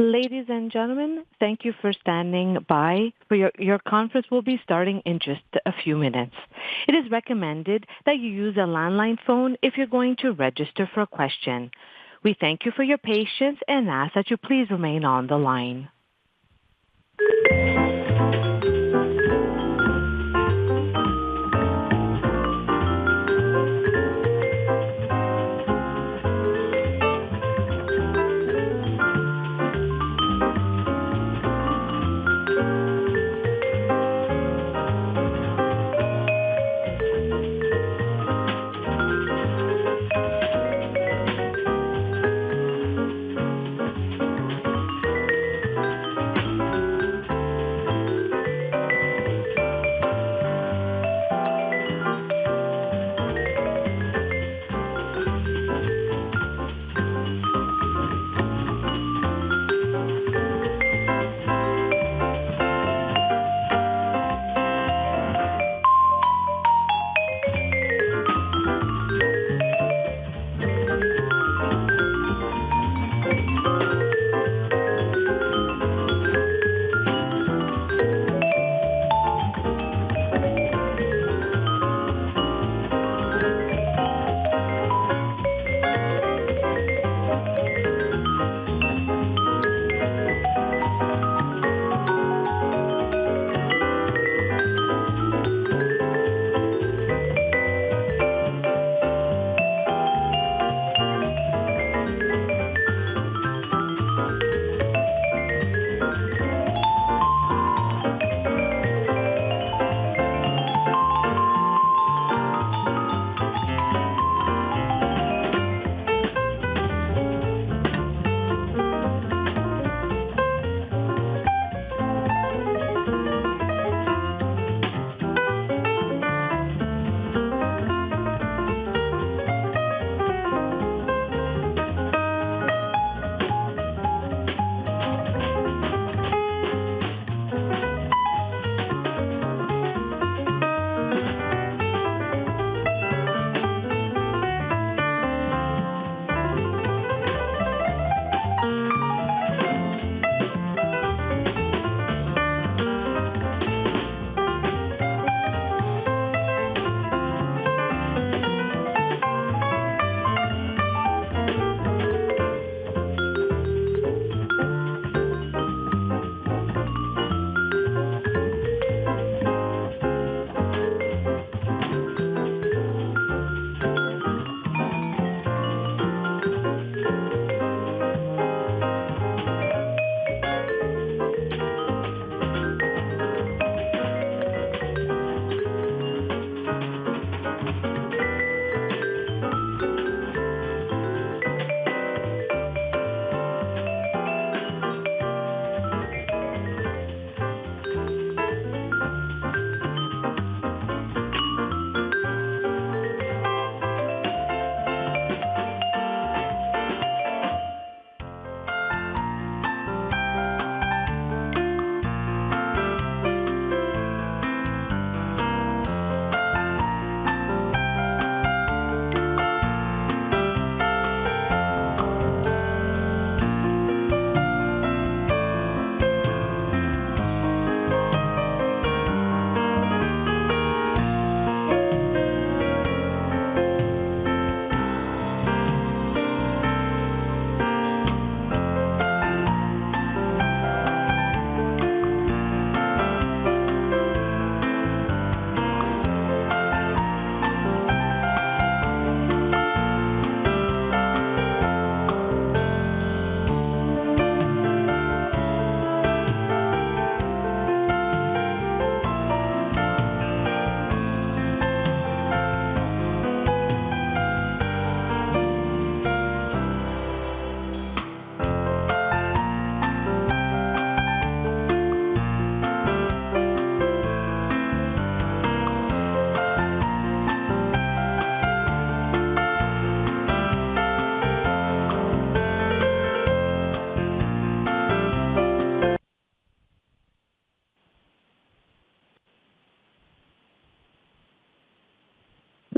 Ladies and gentlemen, thank you for standing by. Your conference will be starting in just a few minutes. It is recommended that you use a landline phone if you're going to register for a question. We thank you for your patience and ask that you please remain on the line.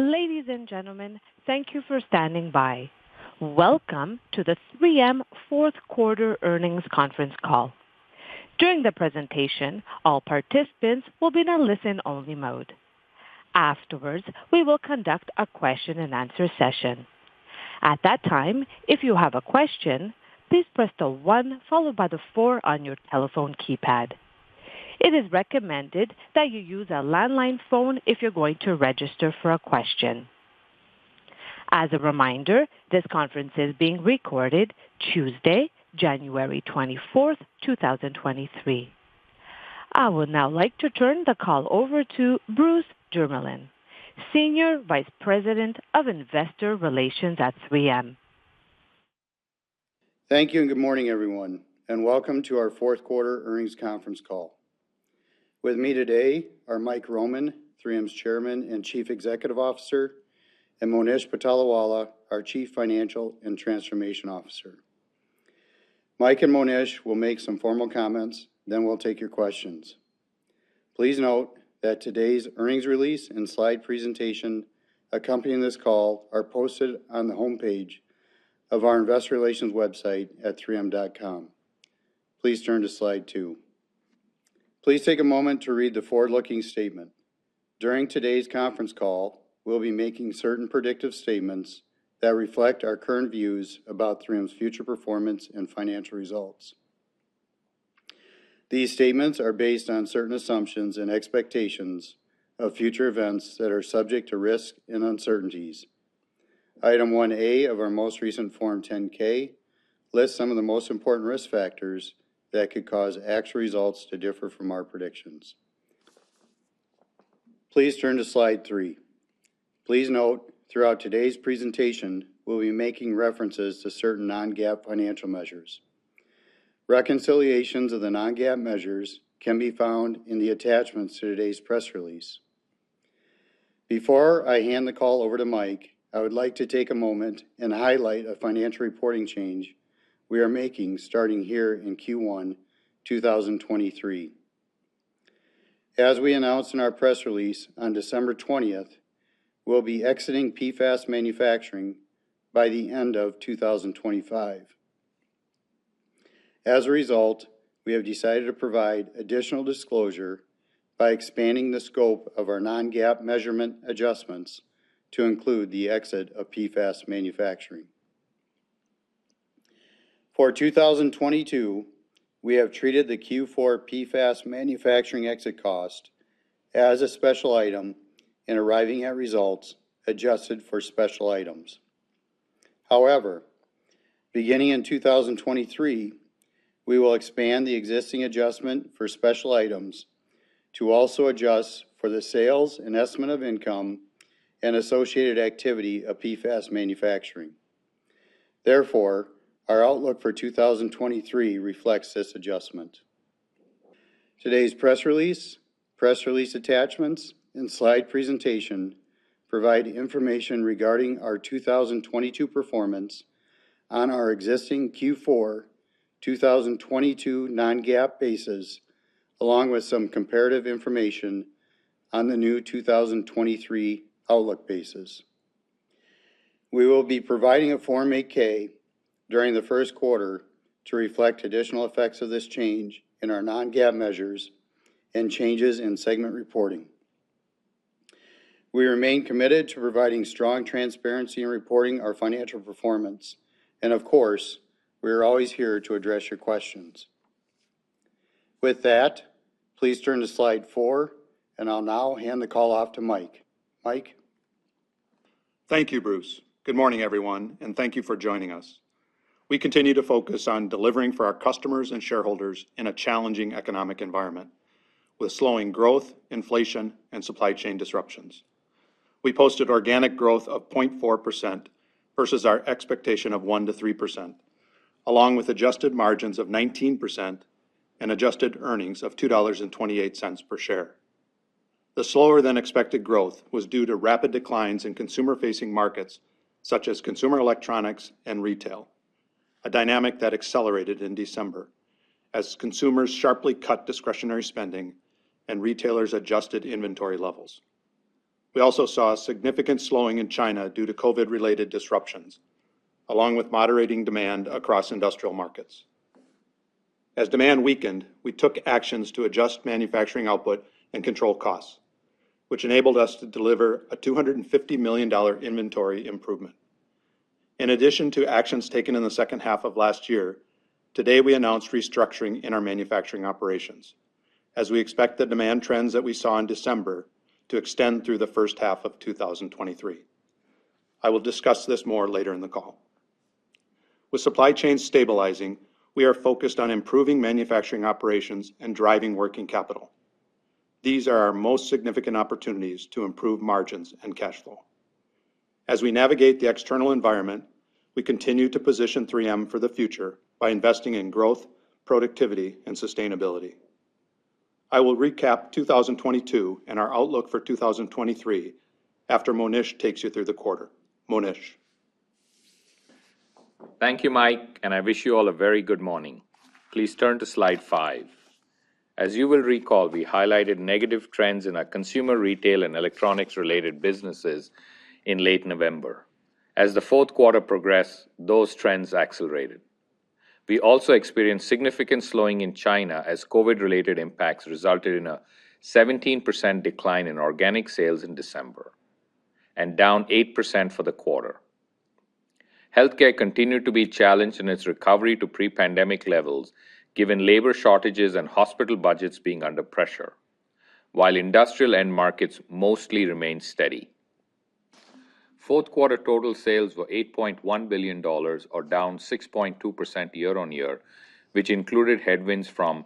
Ladies and gentlemen, thank you for standing by. Welcome to the 3M fourth quarter earnings conference call. During the presentation, all participants will be in a listen-only mode. We will conduct a question-and-answer session. At that time, if you have a question, please press the 1 followed by the 4 on your telephone keypad. It is recommended that you use a landline phone if you're going to register for a question. As a reminder, this conference is being recorded Tuesday, January 24th, 2023. I would now like to turn the call over to Bruce Jermeland, Senior Vice President of Investor Relations at 3M. Thank you. Good morning, everyone, and welcome to our fourth quarter earnings conference call. With me today are Mike Roman, 3M's Chairman and Chief Executive Officer, and Monish Patolawala, our Chief Financial and Transformation Officer. Mike and Monish will make some formal comments. We'll take your questions. Please note that today's earnings release and slide presentation accompanying this call are posted on the homepage of our investor relations website at 3m.com. Please turn to slide 2. Please take a moment to read the forward-looking statement. During today's conference call, we'll be making certain predictive statements that reflect our current views about 3M's future performance and financial results. These statements are based on certain assumptions and expectations of future events that are subject to risk and uncertainties. Item 1A of our most recent Form 10-K lists some of the most important risk factors that could cause actual results to differ from our predictions. Please turn to slide 3. Please note throughout today's presentation, we'll be making references to certain non-GAAP financial measures. Reconciliations of the non-GAAP measures can be found in the attachments to today's press release. Before I hand the call over to Mike, I would like to take a moment and highlight a financial reporting change we are making starting here in Q1 2023. As we announced in our press release on December 20th, we'll be exiting PFAS manufacturing by the end of 2025. As a result, we have decided to provide additional disclosure by expanding the scope of our non-GAAP measurement adjustments to include the exit of PFAS manufacturing. For 2022, we have treated the Q4 PFAS manufacturing exit cost as a special item in arriving at results adjusted for special items. Beginning in 2023, we will expand the existing adjustment for special items to also adjust for the sales and estimate of income and associated activity of PFAS manufacturing. Our outlook for 2023 reflects this adjustment. Today's press release, press release attachments, and slide presentation provide information regarding our 2022 performance on our existing Q4 2022 non-GAAP basis, along with some comparative information on the new 2023 outlook basis. We will be providing a Form 8-K during the first quarter to reflect additional effects of this change in our non-GAAP measures and changes in segment reporting. We remain committed to providing strong transparency in reporting our financial performance, and of course, we are always here to address your questions. With that, please turn to slide 4, and I'll now hand the call off to Mike. Mike? Thank you, Bruce. Good morning, everyone, thank you for joining us. We continue to focus on delivering for our customers and shareholders in a challenging economic environment with slowing growth, inflation, and supply chain disruptions. We posted organic growth of 0.4% versus our expectation of 1%-3%, along with adjusted margins of 19% and adjusted earnings of $2.28 per share. The slower than expected growth was due to rapid declines in consumer-facing markets such as consumer electronics and retail, a dynamic that accelerated in December as consumers sharply cut discretionary spending and retailers adjusted inventory levels. We also saw a significant slowing in China due to COVID-related disruptions, along with moderating demand across industrial markets. As demand weakened, we took actions to adjust manufacturing output and control costs, which enabled us to deliver a $250 million inventory improvement. In addition to actions taken in the second half of last year, today we announced restructuring in our manufacturing operations as we expect the demand trends that we saw in December to extend through the first half of 2023. I will discuss this more later in the call. With supply chain stabilizing, we are focused on improving manufacturing operations and driving working capital. These are our most significant opportunities to improve margins and cash flow. As we navigate the external environment, we continue to position 3M for the future by investing in growth, productivity, and sustainability. I will recap 2022 and our outlook for 2023 after Monish takes you through the quarter. Monish. Thank you, Mike. I wish you all a very good morning. Please turn to slide 5. As you will recall, we highlighted negative trends in our consumer retail and electronics-related businesses in late November. As the fourth quarter progressed, those trends accelerated. We also experienced significant slowing in China as COVID-related impacts resulted in a 17% decline in organic sales in December and down 8% for the quarter. Healthcare continued to be challenged in its recovery to pre-pandemic levels given labor shortages and hospital budgets being under pressure, while industrial end markets mostly remained steady. Fourth quarter total sales were $8.1 billion or down 6.2% year-on-year, which included headwinds from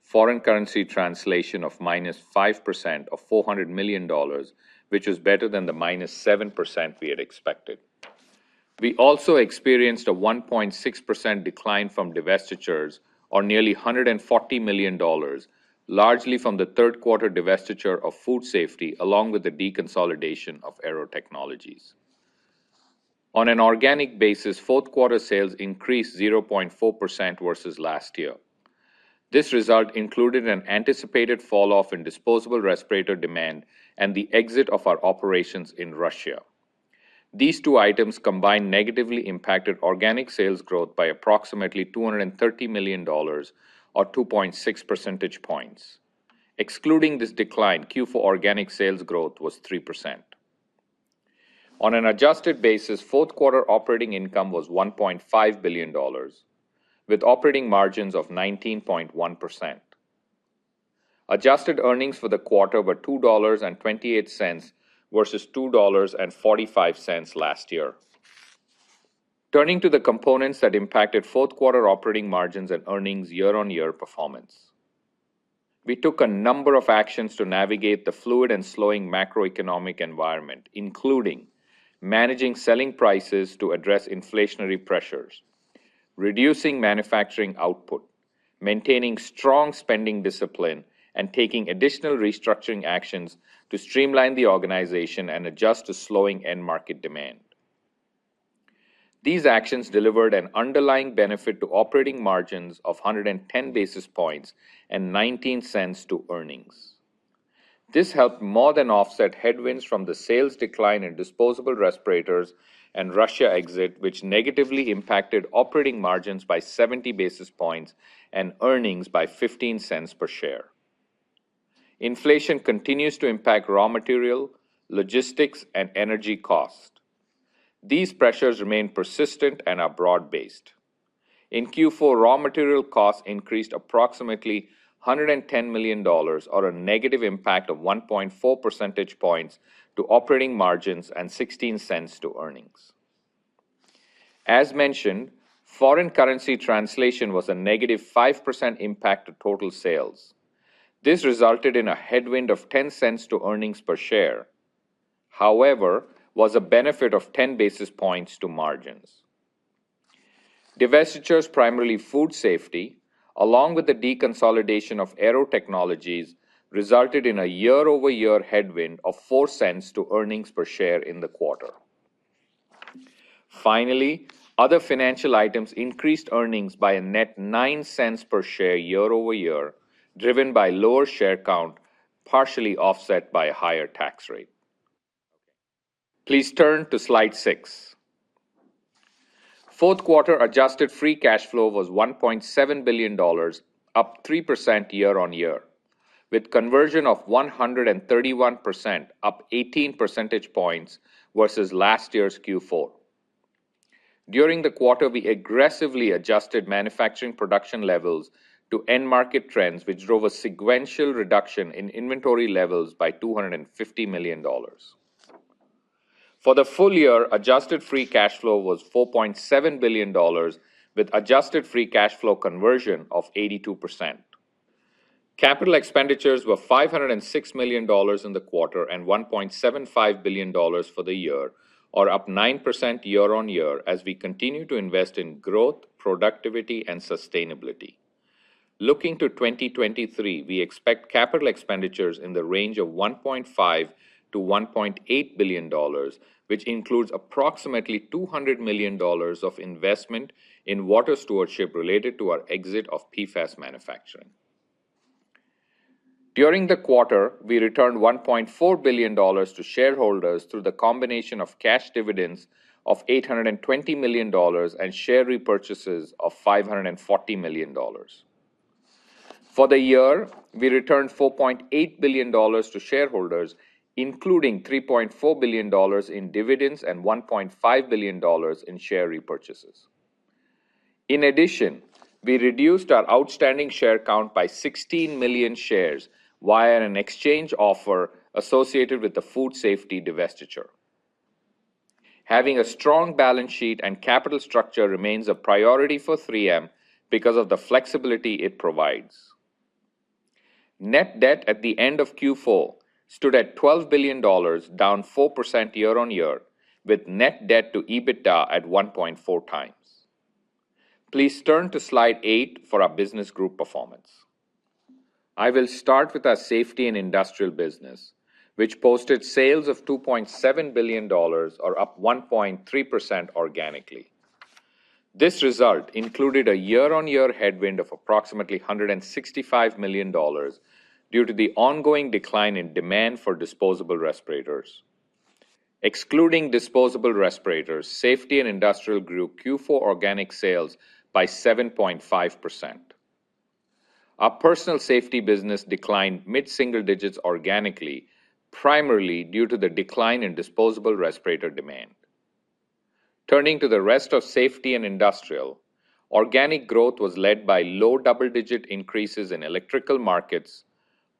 foreign currency translation of minus 5% of $400 million, which was better than the minus 7% we had expected. We also experienced a 1.6% decline from divestitures or nearly $140 million, largely from the third quarter divestiture of Food Safety along with the deconsolidation of Aearo Technologies. On an organic basis, fourth quarter sales increased 0.4% versus last year. This result included an anticipated falloff in disposable respirator demand and the exit of our operations in Russia. These two items combined negatively impacted organic sales growth by approximately $230 million or 2.6 percentage points. Excluding this decline, Q4 organic sales growth was 3%. On an adjusted basis, fourth quarter operating income was $1.5 billion with operating margins of 19.1%. Adjusted earnings for the quarter were $2.28 versus $2.45 last year. Turning to the components that impacted fourth quarter operating margins and earnings year-on-year performance. We took a number of actions to navigate the fluid and slowing macroeconomic environment, including managing selling prices to address inflationary pressures, reducing manufacturing output, maintaining strong spending discipline, and taking additional restructuring actions to streamline the organization and adjust to slowing end market demand. These actions delivered an underlying benefit to operating margins of 110 basis points and $0.19 to earnings. This helped more than offset headwinds from the sales decline in disposable respirators and Russia exit, which negatively impacted operating margins by 70 basis points and earnings by $0.15 per share. Inflation continues to impact raw material, logistics, and energy cost. These pressures remain persistent and are broad-based. In Q4, raw material costs increased approximately $110 million or a negative impact of 1.4 percentage points to operating margins and $0.16 to earnings. As mentioned, foreign currency translation was a -5% impact to total sales. This resulted in a headwind of $0.10 to earnings per share, however, was a benefit of 10 basis points to margins. Divestitures, primarily Food Safety, along with the deconsolidation of Aearo Technologies, resulted in a year-over-year headwind of $0.04 to earnings per share in the quarter. Finally, other financial items increased earnings by a net $0.09 per share year-over-year, driven by lower share count, partially offset by a higher tax rate. Please turn to slide 6. Fourth quarter adjusted free cash flow was $1.7 billion, up 3% year-on-year, with conversion of 131%, up 18 percentage points versus last year's Q4. During the quarter, we aggressively adjusted manufacturing production levels to end market trends, which drove a sequential reduction in inventory levels by $250 million. For the full year, adjusted free cash flow was $4.7 billion with adjusted free cash flow conversion of 82%. Capital expenditures were $506 million in the quarter and $1.75 billion for the year or up 9% year-on-year as we continue to invest in growth, productivity, and sustainability. Looking to 2023, we expect CapEx in the range of $1.5 billion-$1.8 billion, which includes approximately $200 million of investment in water stewardship related to our exit of PFAS manufacturing. During the quarter, we returned $1.4 billion to shareholders through the combination of cash dividends of $820 million and share repurchases of $540 million. For the year, we returned $4.8 billion to shareholders, including $3.4 billion in dividends and $1.5 billion in share repurchases. In addition, we reduced our outstanding share count by 16 million shares via an exchange offer associated with the Food Safety divestiture. Having a strong balance sheet and capital structure remains a priority for 3M because of the flexibility it provides. Net debt at the end of Q4 stood at $12 billion, down 4% year-on-year, with net debt to EBITDA at 1.4 times. Please turn to slide 8 for our business group performance. I will start with our Safety and Industrial business, which posted sales of $2.7 billion, or up 1.3% organically. This result included a year-on-year headwind of approximately $165 million due to the ongoing decline in demand for disposable respirators. Excluding disposable respirators, Safety and Industrial grew Q4 organic sales by 7.5%. Our personal safety business declined mid-single digits organically, primarily due to the decline in disposable respirator demand. Turning to the rest of Safety and Industrial, organic growth was led by low double-digit increases in electrical markets,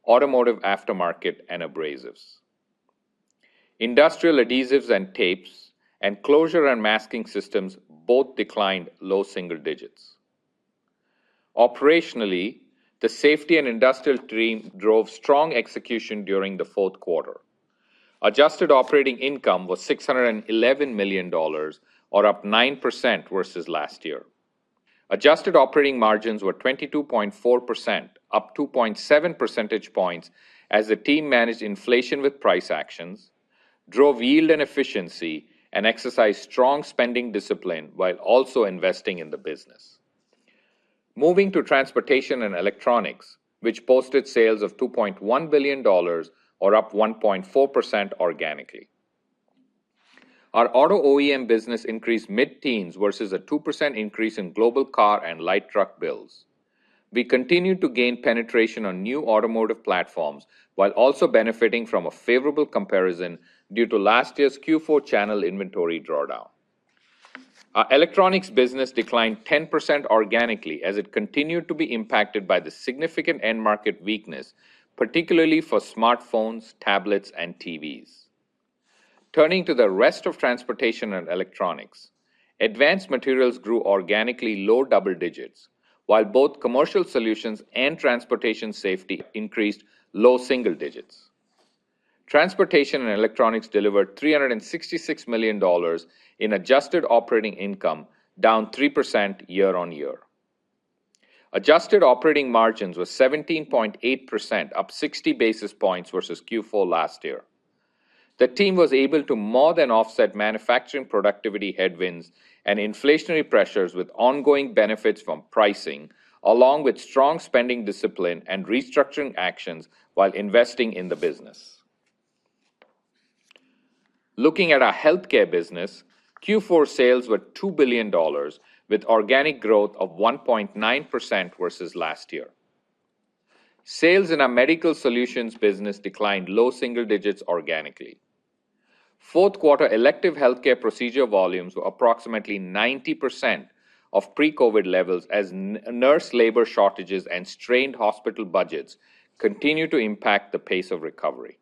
automotive aftermarket, and abrasives. Industrial adhesives and tapes and closure and masking systems both declined low single digits. Operationally, the Safety and Industrial team drove strong execution during the fourth quarter. Adjusted operating income was $611 million, or up 9% versus last year. Adjusted operating margins were 22.4%, up 2.7 percentage points as the team managed inflation with price actions, drove yield and efficiency, and exercised strong spending discipline while also investing in the business. Moving to Transportation and Electronics, which posted sales of $2.1 billion or up 1.4% organically. Our auto OEM business increased mid-teens versus a 2% increase in global car and light truck builds. We continued to gain penetration on new automotive platforms while also benefiting from a favorable comparison due to last year's Q4 channel inventory drawdown. Our electronics business declined 10% organically as it continued to be impacted by the significant end market weakness, particularly for smartphones, tablets, and TVs. Turning to the rest of Transportation and Electronics, Advanced Materials grew organically low double digits, while both Commercial Solutions and Transportation Safety increased low single digits. Transportation and Electronics delivered $366 million in adjusted operating income, down 3% year-on-year. Adjusted operating margins were 17.8%, up 60 basis points versus Q4 last year. The team was able to more than offset manufacturing productivity headwinds and inflationary pressures with ongoing benefits from pricing, along with strong spending discipline and restructuring actions while investing in the business. Looking at our Health Care business, Q4 sales were $2 billion, with organic growth of 1.9% versus last year. Sales in our Medical Solutions business declined low single digits organically. Fourth quarter elective healthcare procedure volumes were approximately 90% of pre-COVID levels as nurse labor shortages and strained hospital budgets continued to impact the pace of recovery.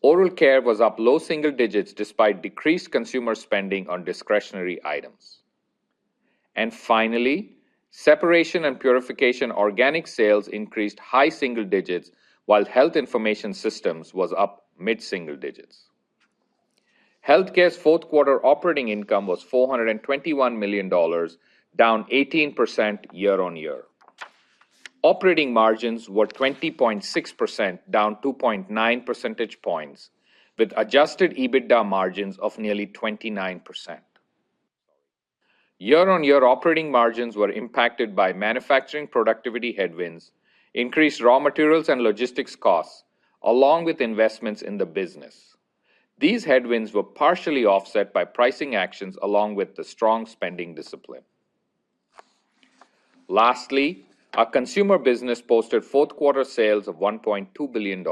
Oral Care was up low single digits despite decreased consumer spending on discretionary items. Finally, Separation and Purification organic sales increased high single digits, while Health Information Systems was up mid-single digits. Health Care's fourth quarter operating income was $421 million, down 18% year on year. Operating margins were 20.6%, down 2.9 percentage points, with adjusted EBITDA margins of nearly 29%. Year on year operating margins were impacted by manufacturing productivity headwinds, increased raw materials and logistics costs, along with investments in the business. These headwinds were partially offset by pricing actions along with the strong spending discipline. Lastly, our Consumer business posted fourth quarter sales of $1.2 billion.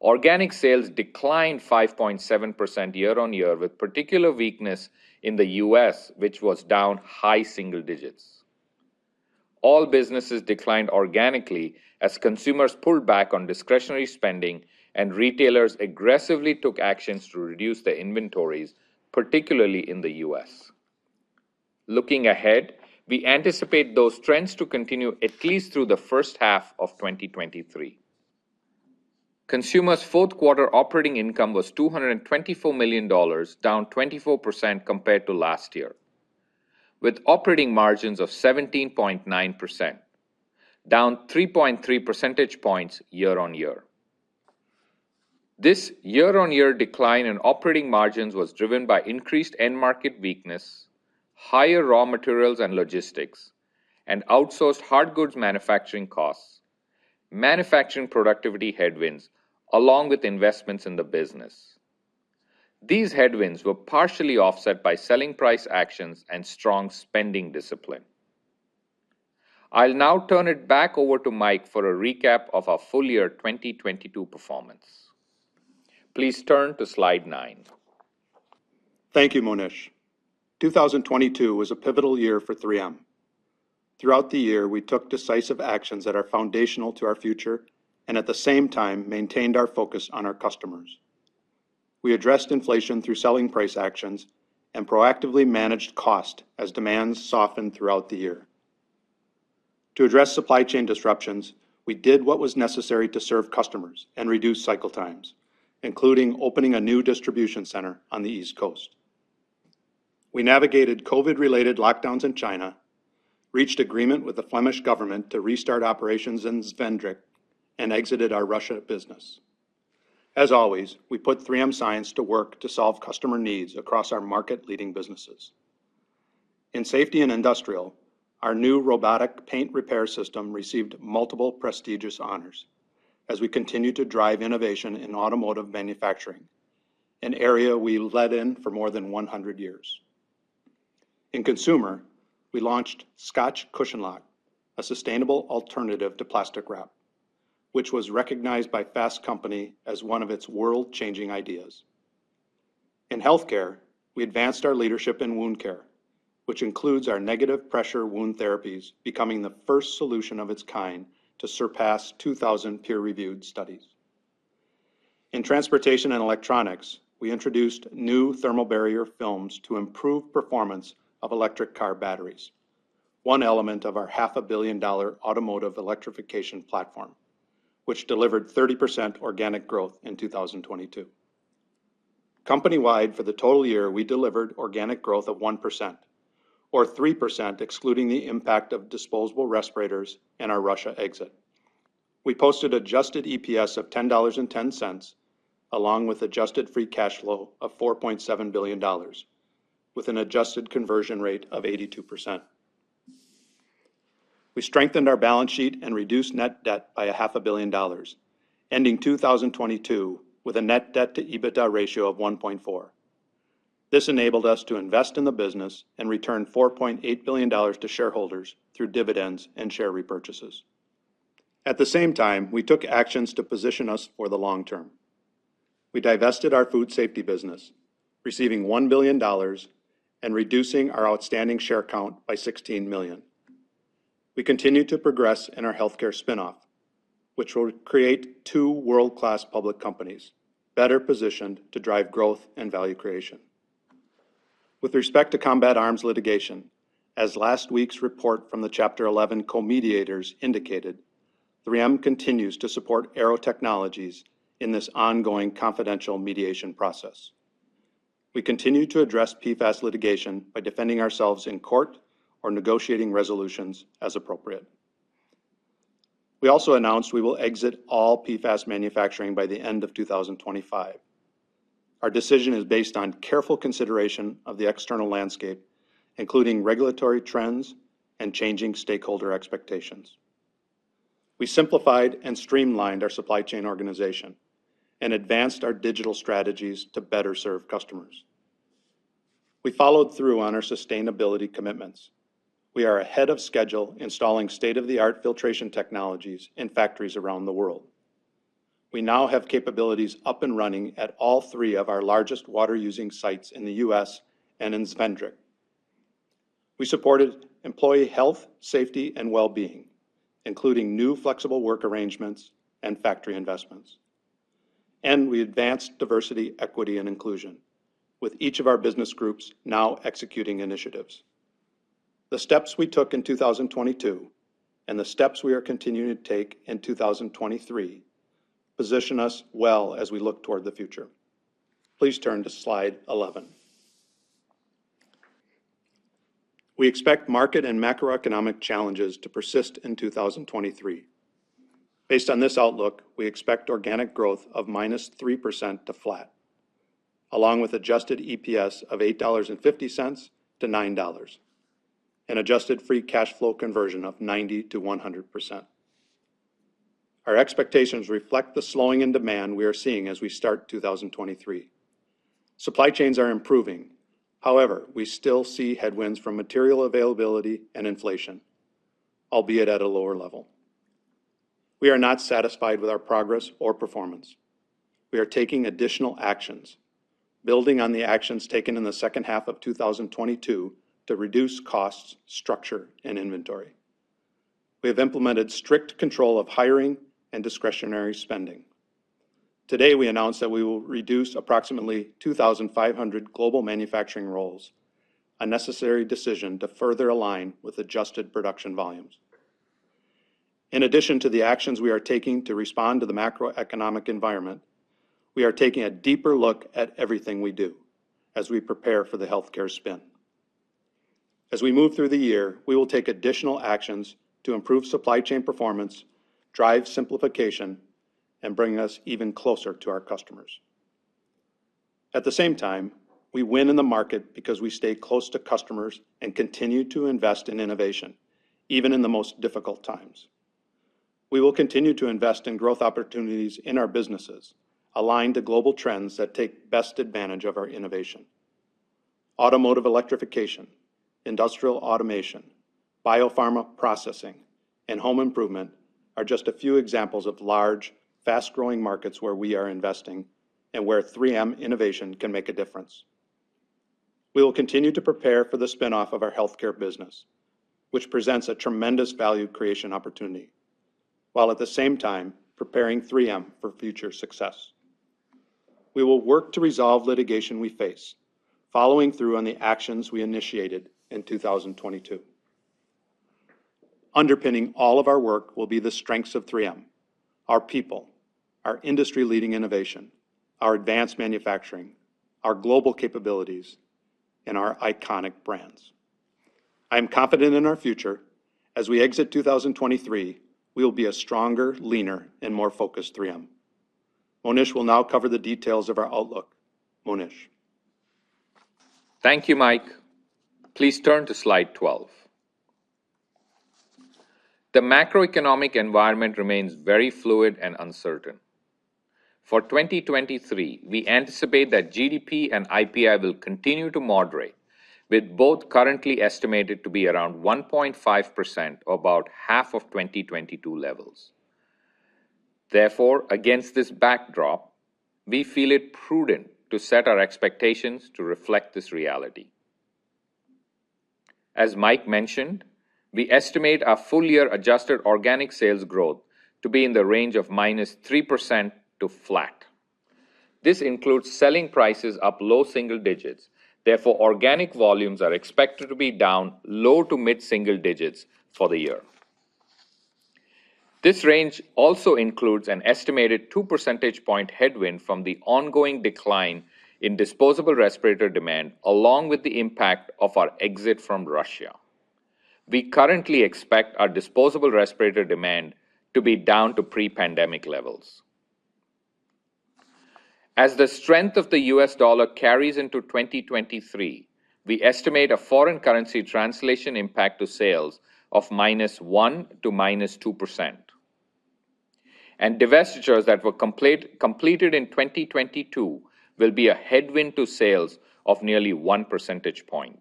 Organic sales declined 5.7% year-on-year, with particular weakness in the U.S., which was down high single digits. All businesses declined organically as consumers pulled back on discretionary spending and retailers aggressively took actions to reduce their inventories, particularly in the U.S. Looking ahead, we anticipate those trends to continue at least through the first half of 2023. Consumer's fourth quarter operating income was $224 million, down 24% compared to last year, with operating margins of 17.9%, down 3.3 percentage points year-on-year. This year-on-year decline in operating margins was driven by increased end market weakness, higher raw materials and logistics, and outsourced hard goods manufacturing costs, manufacturing productivity headwinds, along with investments in the business. These headwinds were partially offset by selling price actions and strong spending discipline. I'll now turn it back over to Mike for a recap of our full year 2022 performance. Please turn to slide 9. Thank you, Monish. 2022 was a pivotal year for 3M. Throughout the year, we took decisive actions that are foundational to our future and at the same time maintained our focus on our customers. We addressed inflation through selling price actions and proactively managed cost as demands softened throughout the year. To address supply chain disruptions, we did what was necessary to serve customers and reduce cycle times, including opening a new distribution center on the East Coast. We navigated COVID-related lockdowns in China, reached agreement with the Flemish Government to restart operations in Zwijndrecht, and exited our Russia business. As always, we put 3M science to work to solve customer needs across our market-leading businesses. In Safety and Industrial, our new robotic paint repair system received multiple prestigious honors as we continue to drive innovation in automotive manufacturing, an area we led in for more than 100 years. In Consumer, we launched Scotch Cushion Lock, a sustainable alternative to plastic wrap, which was recognized by Fast Company as one of its world-changing ideas. In Health Care, we advanced our leadership in wound care, which includes our negative pressure wound therapies becoming the first solution of its kind to surpass 2,000 peer-reviewed studies. In Transportation and Electronics, we introduced new thermal barrier films to improve performance of electric car batteries, one element of our half a billion-dollar automotive electrification platform, which delivered 30% organic growth in 2022. Company-wide for the total year, we delivered organic growth of 1%, or 3% excluding the impact of disposable respirators and our Russia exit. We posted adjusted EPS of $10.10, along with adjusted free cash flow of $4.7 billion, with an adjusted conversion rate of 82%. We strengthened our balance sheet and reduced net debt by a half a billion dollars, ending 2022 with a net debt to EBITDA ratio of 1.4. This enabled us to invest in the business and return $4.8 billion to shareholders through dividends and share repurchases. At the same time, we took actions to position us for the long term. We divested our Food Safety business, receiving $1 billion and reducing our outstanding share count by 16 million. We continued to progress in our Health Care spin-off, which will create two world-class public companies, better positioned to drive growth and value creation. With respect to Combat Arms litigation, as last week's report from the Chapter 11 co-mediators indicated, 3M continues to support Aearo Technologies in this ongoing confidential mediation process. We continue to address PFAS litigation by defending ourselves in court or negotiating resolutions as appropriate. We also announced we will exit all PFAS manufacturing by the end of 2025. Our decision is based on careful consideration of the external landscape, including regulatory trends and changing stakeholder expectations. We simplified and streamlined our supply chain organization and advanced our digital strategies to better serve customers. We followed through on our sustainability commitments. We are ahead of schedule installing state-of-the-art filtration technologies in factories around the world. We now have capabilities up and running at all three of our largest water-using sites in the U.S. and in Zwijndrecht. We supported employee health, safety, and well-being, including new flexible work arrangements and factory investments. We advanced diversity, equity, and inclusion, with each of our business groups now executing initiatives. The steps we took in 2022 and the steps we are continuing to take in 2023 position us well as we look toward the future. Please turn to slide 11. We expect market and macroeconomic challenges to persist in 2023. Based on this outlook, we expect organic growth of -3% to flat, along with adjusted EPS of $8.50-$9, an adjusted free cash flow conversion of 90%-100%. Our expectations reflect the slowing in demand we are seeing as we start 2023. Supply chains are improving. We still see headwinds from material availability and inflation, albeit at a lower level. We are not satisfied with our progress or performance. We are taking additional actions, building on the actions taken in the second half of 2022 to reduce costs, structure, and inventory. We have implemented strict control of hiring and discretionary spending. Today, we announced that we will reduce approximately 2,500 global manufacturing roles, a necessary decision to further align with adjusted production volumes. In addition to the actions we are taking to respond to the macroeconomic environment, we are taking a deeper look at everything we do as we prepare for the Health Care spin. As we move through the year, we will take additional actions to improve supply chain performance, drive simplification, and bring us even closer to our customers. At the same time, we win in the market because we stay close to customers and continue to invest in innovation, even in the most difficult times. We will continue to invest in growth opportunities in our businesses, aligned to global trends that take best advantage of our innovation. Automotive electrification, industrial automation, biopharma processing, and home improvement are just a few examples of large, fast-growing markets where we are investing and where 3M innovation can make a difference. We will continue to prepare for the spin-off of our healthcare business, which presents a tremendous value creation opportunity, while at the same time preparing 3M for future success. We will work to resolve litigation we face, following through on the actions we initiated in 2022. Underpinning all of our work will be the strengths of 3M, our people, our industry-leading innovation, our advanced manufacturing, our global capabilities, and our iconic brands. I am confident in our future. As we exit 2023, we will be a stronger, leaner, and more focused 3M. Monish will now cover the details of our outlook. Monish. Thank you, Mike. Please turn to slide 12. The macroeconomic environment remains very fluid and uncertain. For 2023, we anticipate that GDP and IPI will continue to moderate, with both currently estimated to be around 1.5%, about half of 2022 levels. Against this backdrop, we feel it prudent to set our expectations to reflect this reality. As Mike mentioned, we estimate our full-year adjusted organic sales growth to be in the range of -3% to flat. This includes selling prices up low single digits. Organic volumes are expected to be down low to mid-single digits for the year. This range also includes an estimated 2 percentage point headwind from the ongoing decline in disposable respirator demand, along with the impact of our exit from Russia. We currently expect our disposable respirator demand to be down to pre-pandemic levels. As the strength of the US dollar carries into 2023, we estimate a foreign currency translation impact to sales of -1% to -2%. Divestitures that were completed in 2022 will be a headwind to sales of nearly 1 percentage point.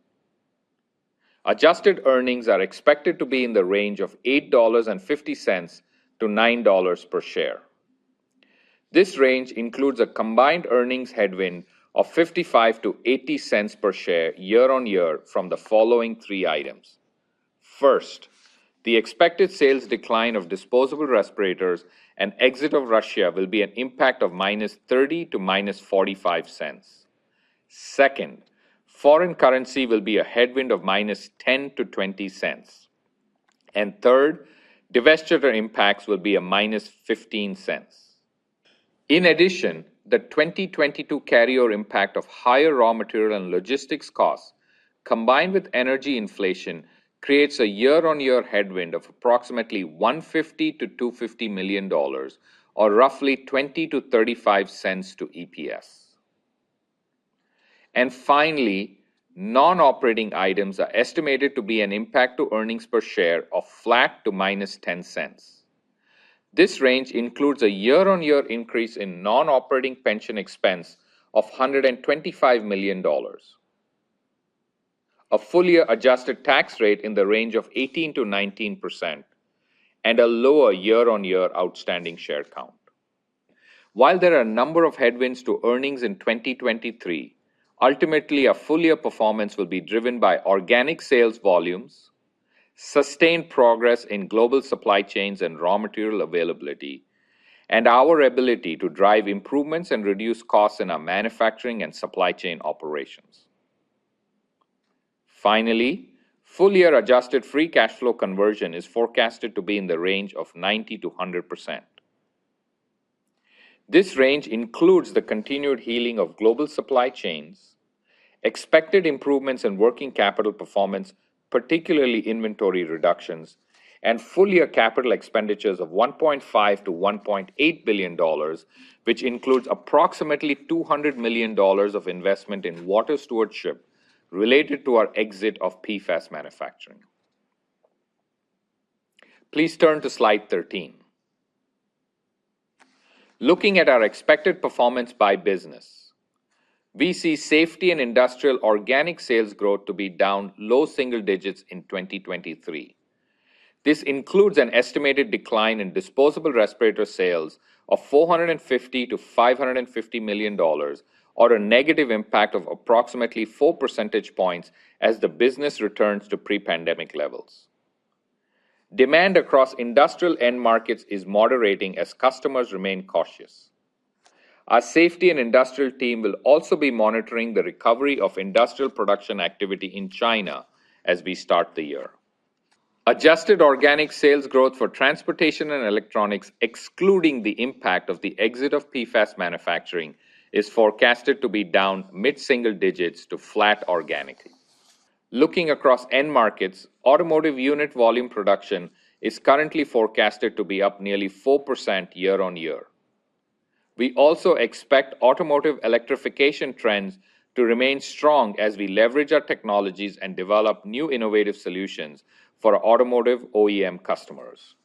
Adjusted earnings are expected to be in the range of $8.50-$9.00 per share. This range includes a combined earnings headwind of $0.55-$0.80 per share year-on-year from the following three items. First, the expected sales decline of disposable respirators and exit of Russia will be an impact of -$0.30 to -$0.45. Second, foreign currency will be a headwind of -$0.10 to -$0.20. Third, divestiture impacts will be -$0.15. In addition, the 2022 carryover impact of higher raw material and logistics costs, combined with energy inflation, creates a year-on-year headwind of approximately $150 million-$250 million or roughly $0.20-$0.35 to EPS. Finally, non-operating items are estimated to be an impact to earnings per share of flat to -$0.10. This range includes a year-on-year increase in non-operating pension expense of $125 million, a full-year adjusted tax rate in the range of 18%-19%, and a lower year-on-year outstanding share count. While there are a number of headwinds to earnings in 2023, ultimately, our full-year performance will be driven by organic sales volumes, sustained progress in global supply chains and raw material availability, and our ability to drive improvements and reduce costs in our manufacturing and supply chain operations. Finally, full-year adjusted free cash flow conversion is forecasted to be in the range of 90%-100%. This range includes the continued healing of global supply chains, expected improvements in working capital performance, particularly inventory reductions, and full-year capital expenditures of $1.5 billion-$1.8 billion, which includes approximately $200 million of investment in water stewardship related to our exit of PFAS manufacturing. Please turn to slide 13. Looking at our expected performance by business, we see Safety and Industrial organic sales growth to be down low single digits in 2023. This includes an estimated decline in disposable respirator sales of $450 million-$550 million or a negative impact of approximately 4 percentage points as the business returns to pre-pandemic levels. Demand across industrial end markets is moderating as customers remain cautious. Our Safety and Industrial team will also be monitoring the recovery of industrial production activity in China as we start the year. Adjusted organic sales growth for Transportation and Electronics, excluding the impact of the exit of PFAS manufacturing, is forecasted to be down mid-single digits to flat organically. Looking across end markets, automotive unit volume production is currently forecasted to be up nearly 4% year-on-year. We also expect automotive electrification trends to remain strong as we leverage our technologies and develop new innovative solutions for our automotive OEM customers.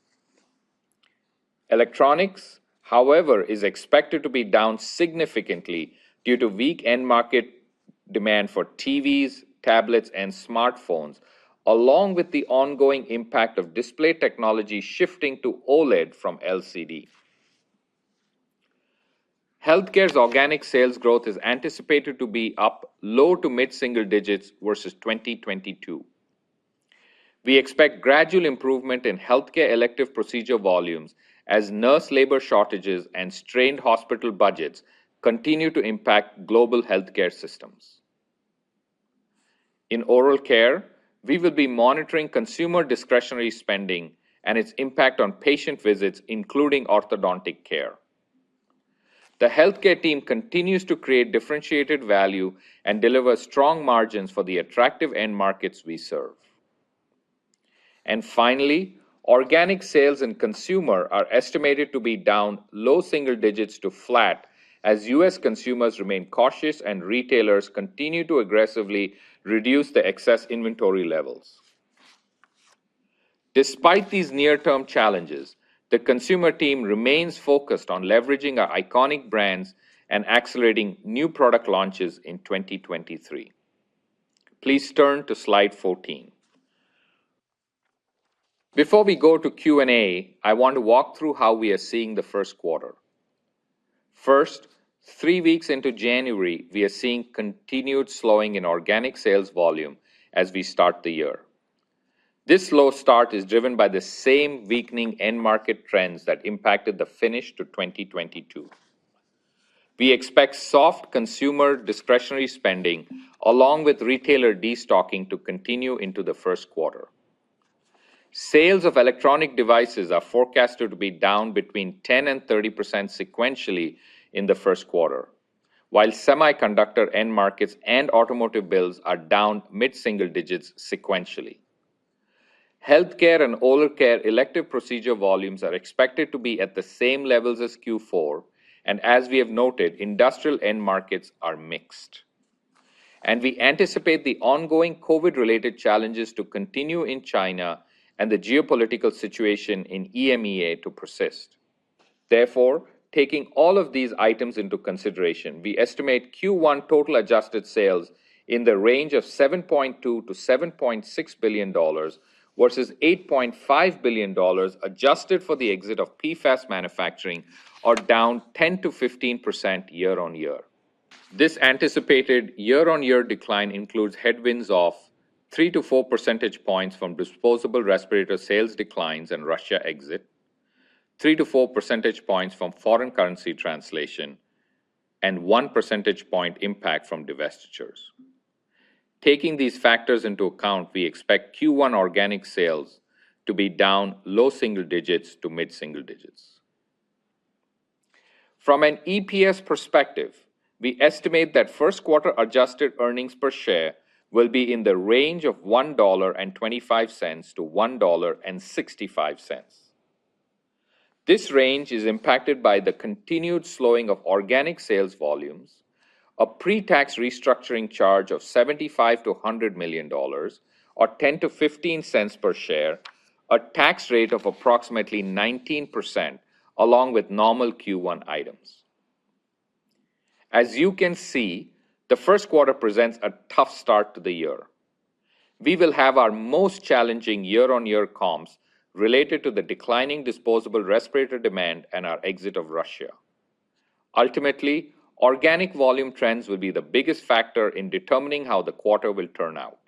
Electronics, however, is expected to be down significantly due to weak end market demand for TVs, tablets, and smartphones, along with the ongoing impact of display technology shifting to OLED from LCD. Health Care's organic sales growth is anticipated to be up low to mid-single digits versus 2022. We expect gradual improvement in healthcare elective procedure volumes as nurse labor shortages and strained hospital budgets continue to impact global healthcare systems. In Oral Care, we will be monitoring consumer discretionary spending and its impact on patient visits, including orthodontic care. The healthcare team continues to create differentiated value and deliver strong margins for the attractive end markets we serve. Finally, organic sales in Consumer are estimated to be down low single digits to flat as U.S. consumers remain cautious and retailers continue to aggressively reduce the excess inventory levels. Despite these near-term challenges, the Consumer team remains focused on leveraging our iconic brands and accelerating new product launches in 2023. Please turn to slide 14. Before we go to Q&A, I want to walk through how we are seeing the first quarter. First, three weeks into January, we are seeing continued slowing in organic sales volume as we start the year. This slow start is driven by the same weakening end market trends that impacted the finish to 2022. We expect soft consumer discretionary spending along with retailer destocking to continue into the first quarter. Sales of electronic devices are forecasted to be down between 10% and 30% sequentially in the first quarter, while semiconductor end markets and automotive builds are down mid-single digits sequentially. Health Care and Oral Care elective procedure volumes are expected to be at the same levels as Q4, and as we have noted, industrial end markets are mixed. We anticipate the ongoing COVID-related challenges to continue in China and the geopolitical situation in EMEA to persist. Taking all of these items into consideration, we estimate Q1 total adjusted sales in the range of $7.2 billion-$7.6 billion versus $8.5 billion adjusted for the exit of PFAS manufacturing are down 10%-15% year-on-year. This anticipated year-on-year decline includes headwinds of 3-4 percentage points from disposable respirator sales declines and Russia exit, 3-4 percentage points from foreign currency translation, and 1 percentage point impact from divestitures. Taking these factors into account, we expect Q1 organic sales to be down low single digits to mid single digits. From an EPS perspective, we estimate that first quarter adjusted earnings per share will be in the range of $1.25-$1.65. This range is impacted by the continued slowing of organic sales volumes, a pre-tax restructuring charge of $75 million-$100 million or $0.10-$0.15 per share, a tax rate of approximately 19% along with normal Q1 items. As you can see, the first quarter presents a tough start to the year. We will have our most challenging year-on-year comps related to the declining disposable respirator demand and our exit of Russia. Ultimately, organic volume trends will be the biggest factor in determining how the quarter will turn out.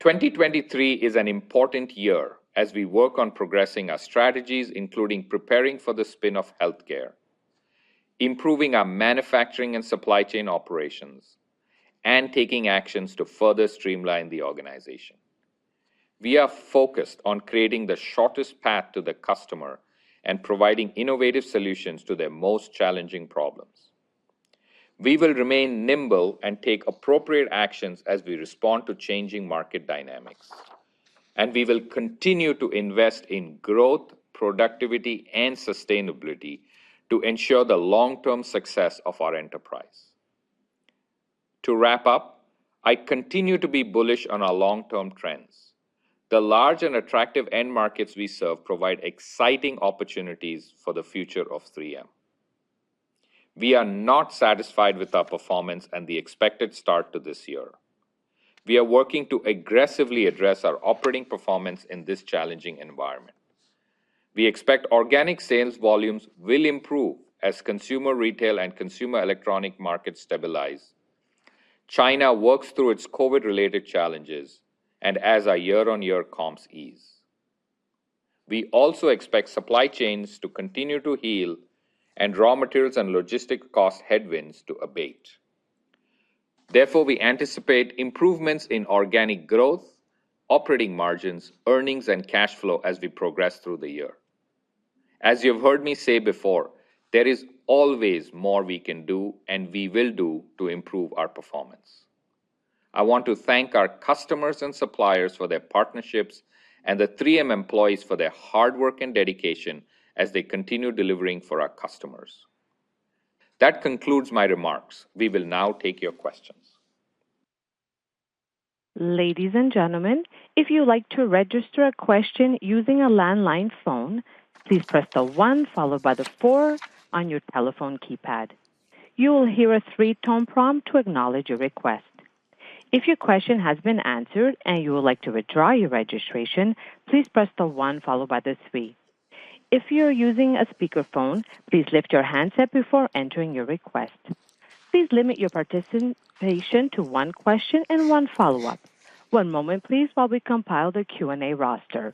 2023 is an important year as we work on progressing our strategies, including preparing for the spin of Health Care, improving our manufacturing and supply chain operations, and taking actions to further streamline the organization. We are focused on creating the shortest path to the customer and providing innovative solutions to their most challenging problems. We will remain nimble and take appropriate actions as we respond to changing market dynamics. We will continue to invest in growth, productivity, and sustainability to ensure the long-term success of our enterprise. To wrap up, I continue to be bullish on our long-term trends. The large and attractive end markets we serve provide exciting opportunities for the future of 3M. We are not satisfied with our performance and the expected start to this year. We are working to aggressively address our operating performance in this challenging environment. We expect organic sales volumes will improve as consumer retail and consumer electronic markets stabilize. China works through its COVID-related challenges and as our year-on-year comps ease. We also expect supply chains to continue to heal and raw materials and logistic cost headwinds to abate. We anticipate improvements in organic growth, operating margins, earnings, and cash flow as we progress through the year. As you've heard me say before, there is always more we can do and we will do to improve our performance. I want to thank our customers and suppliers for their partnerships and the 3M employees for their hard work and dedication as they continue delivering for our customers. That concludes my remarks. We will now take your questions. Ladies and gentlemen, if you'd like to register a question using a landline phone, please press the 1 followed by the 4 on your telephone keypad. You will hear a 3-tone prompt to acknowledge your request. If your question has been answered and you would like to withdraw your registration, please press the 1 followed by the 3. If you're using a speakerphone, please lift your handset before entering your request. Please limit your participation to 1 question and 1 follow-up. 1 moment, please, while we compile the Q&A roster.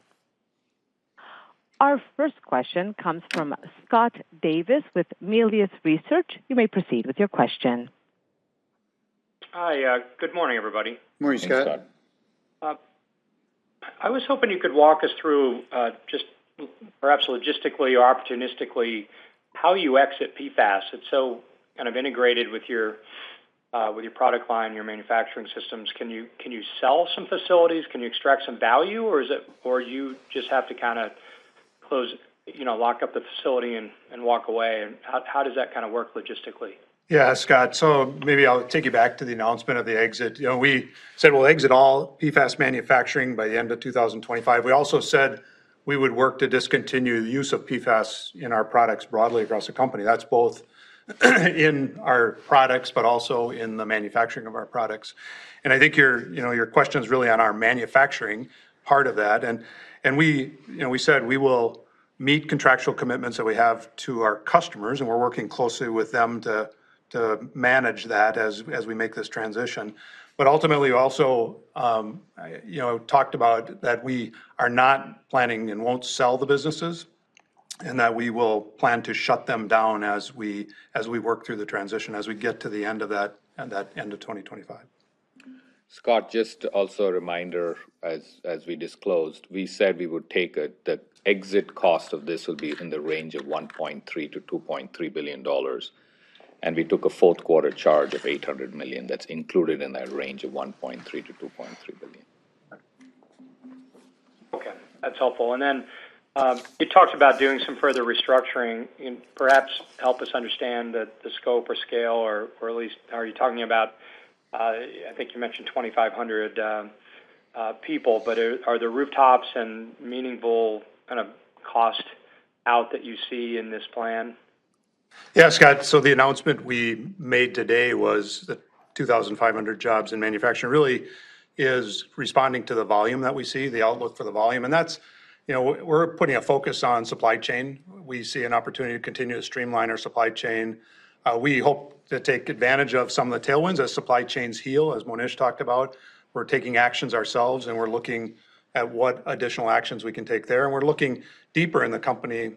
Our first question comes from Scott Davis with Melius Research. You may proceed with your question. Hi. Good morning, everybody. Morning, Scott. Morning, Scott. I was hoping you could walk us through, just perhaps logistically or opportunistically how you exit PFAS. It's so kind of integrated with your, with your product line, your manufacturing systems. Can you sell some facilities? Can you extract some value, or you just have to kinda close, you know, lock up the facility and walk away? How does that kinda work logistically? Yeah, Scott. Maybe I'll take you back to the announcement of the exit. You know, we said we'll exit all PFAS manufacturing by the end of 2025. We also said we would work to discontinue the use of PFAS in our products broadly across the company. That's both in our products but also in the manufacturing of our products. I think your, you know, your question's really on our manufacturing part of that. We, you know, we said we will meet contractual commitments that we have to our customers, and we're working closely with them to To manage that as we make this transition. Ultimately also, you know, talked about that we are not planning and won't sell the businesses, and that we will plan to shut them down as we work through the transition, as we get to the end of that end of 2025. Scott, just also a reminder, as we disclosed, we said we would take the exit cost of this will be in the range of $1.3 billion-$2.3 billion, and we took a fourth quarter charge of $800 million. That's included in that range of $1.3 billion-$2.3 billion. Okay, that's helpful. You talked about doing some further restructuring. Can perhaps help us understand the scope or scale or at least are you talking about, I think you mentioned 2,500 people, but are there rooftops and meaningful kind of cost out that you see in this plan? Yeah, Scott. The announcement we made today was that 2,500 jobs in manufacturing really is responding to the volume that we see, the outlook for the volume. That's, you know, we're putting a focus on supply chain. We see an opportunity to continue to streamline our supply chain. We hope to take advantage of some of the tailwinds as supply chains heal, as Monish talked about. We're taking actions ourselves, and we're looking at what additional actions we can take there. We're looking deeper in the company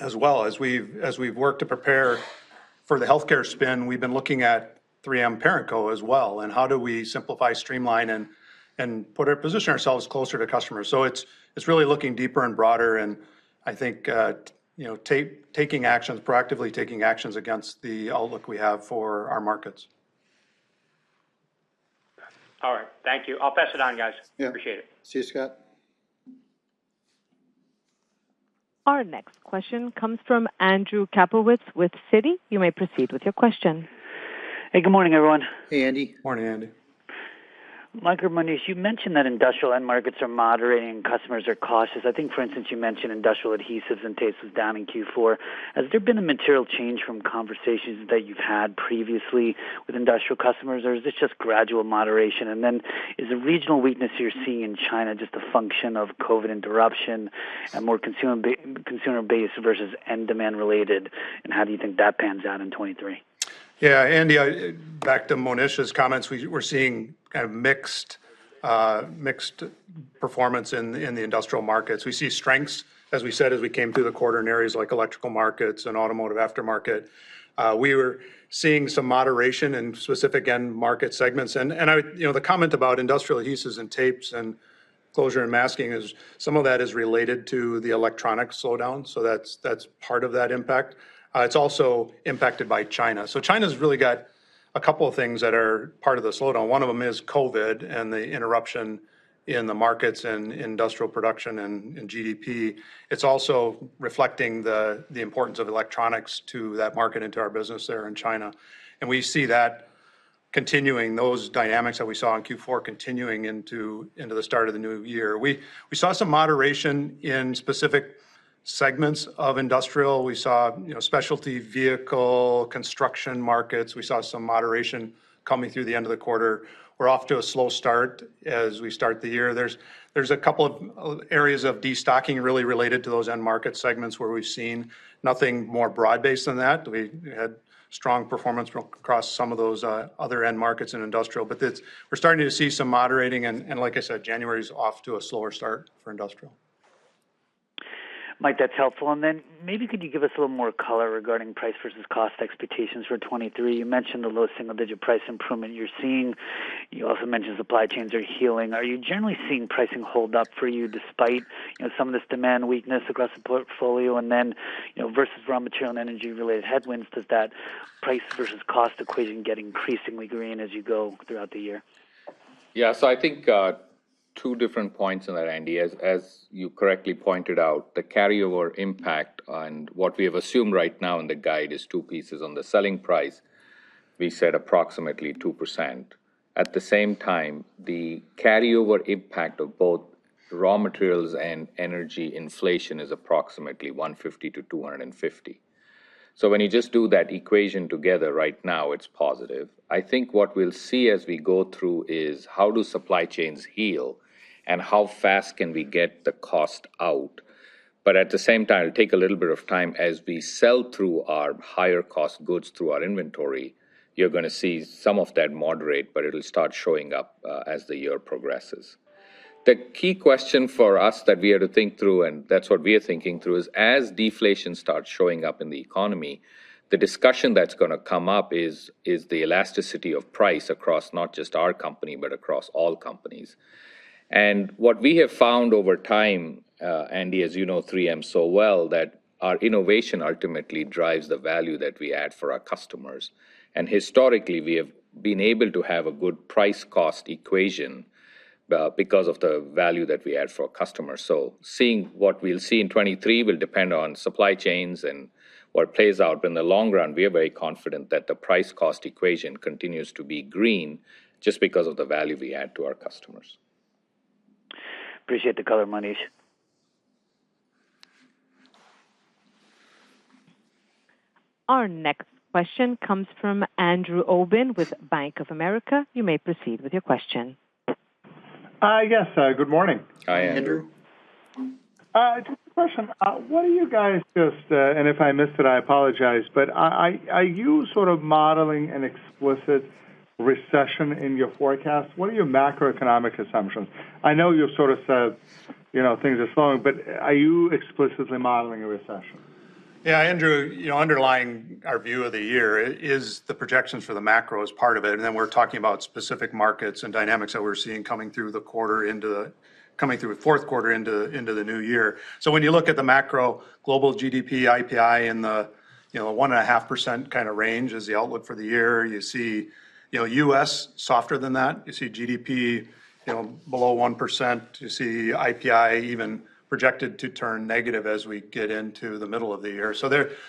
as well. As we've worked to prepare for the healthcare spin, we've been looking at 3M Parent Co. as well, and how do we simplify, streamline, and position ourselves closer to customers. It's really looking deeper and broader and I think, you know, taking actions, proactively taking actions against the outlook we have for our markets. All right. Thank you. I'll pass it on, guys. Yeah. Appreciate it. See you, Scott. Our next question comes from Andrew Kaplowitz with Citi. You may proceed with your question. Hey, good morning, everyone. Hey, Andy. Morning, Andy. Mike or Monish, you mentioned that industrial end markets are moderating and customers are cautious. I think, for instance, you mentioned industrial adhesives and tapes was down in Q4. Has there been a material change from conversations that you've had previously with industrial customers, or is this just gradual moderation? Is the regional weakness you're seeing in China just a function of COVID interruption and more consumer base versus end demand related, and how do you think that pans out in 2023? Yeah, Andy, back to Monish's comments, we're seeing kind of mixed performance in the industrial markets. We see strengths, as we said, as we came through the quarter in areas like electrical markets and automotive aftermarket. We were seeing some moderation in specific end market segments. You know, the comment about industrial adhesives and tapes and closure and masking is some of that is related to the electronic slowdown, so that's part of that impact. It's also impacted by China. China's really got a couple of things that are part of the slowdown. One of them is COVID and the interruption in the markets and industrial production and GDP. It's also reflecting the importance of electronics to that market and to our business there in China. We see that continuing, those dynamics that we saw in Q4 continuing into the start of the new year. We saw some moderation in specific segments of industrial. We saw, you know, specialty vehicle, construction markets. We saw some moderation coming through the end of the quarter. We're off to a slow start as we start the year. There's a couple of areas of destocking really related to those end market segments where we've seen nothing more broad-based than that. We had strong performance across some of those other end markets in industrial. We're starting to see some moderating and like I said, January's off to a slower start for industrial. Mike, that's helpful. Maybe could you give us a little more color regarding price versus cost expectations for 2023? You mentioned the low single-digit price improvement you're seeing. You also mentioned supply chains are healing. Are you generally seeing pricing hold up for you despite, you know, some of this demand weakness across the portfolio? You know, versus raw material and energy-related headwinds, does that price versus cost equation get increasingly green as you go throughout the year? I think 2 different points on that, Andy. As you correctly pointed out, the carryover impact on what we have assumed right now in the guide is 2 pieces. On the selling price, we said approximately 2%. At the same time, the carryover impact of both raw materials and energy inflation is approximately 150 to 250. When you just do that equation together right now, it's positive. I think what we'll see as we go through is how do supply chains heal, and how fast can we get the cost out? At the same time, it'll take a little bit of time as we sell through our higher cost goods through our inventory, you're gonna see some of that moderate, but it'll start showing up as the year progresses. The key question for us that we had to think through, and that's what we are thinking through, is as deflation starts showing up in the economy, the discussion that's gonna come up is the elasticity of price across not just our company, but across all companies. What we have found over time, Andy, as you know 3M so well, that our innovation ultimately drives the value that we add for our customers. Historically, we have been able to have a good price-cost equation because of the value that we add for our customers. Seeing what we'll see in 2023 will depend on supply chains and what plays out. In the long run, we are very confident that the price-cost equation continues to be green just because of the value we add to our customers. Appreciate the color, Monish. Our next question comes from Andrew Obin with Bank of America. You may proceed with your question. Yes. Good morning. Hi, Andrew. Just a question. What are you guys just... If I missed it, I apologize. Are you sort of modeling an explicit recession in your forecast? What are your macroeconomic assumptions? I know you've sort of said, you know, things are slowing, but are you explicitly modeling a recession? Yeah, Andrew, you know, underlying our view of the year is the projections for the macro as part of it, and then we're talking about specific markets and dynamics that we're seeing coming through the fourth quarter into the new year. When you look at the macro global GDP IPI in the, you know, 1.5% kinda range as the outlook for the year, you see, you know, U.S. softer than that. You see GDP, you know, below 1%. You see IPI even projected to turn negative as we get into the middle of the year.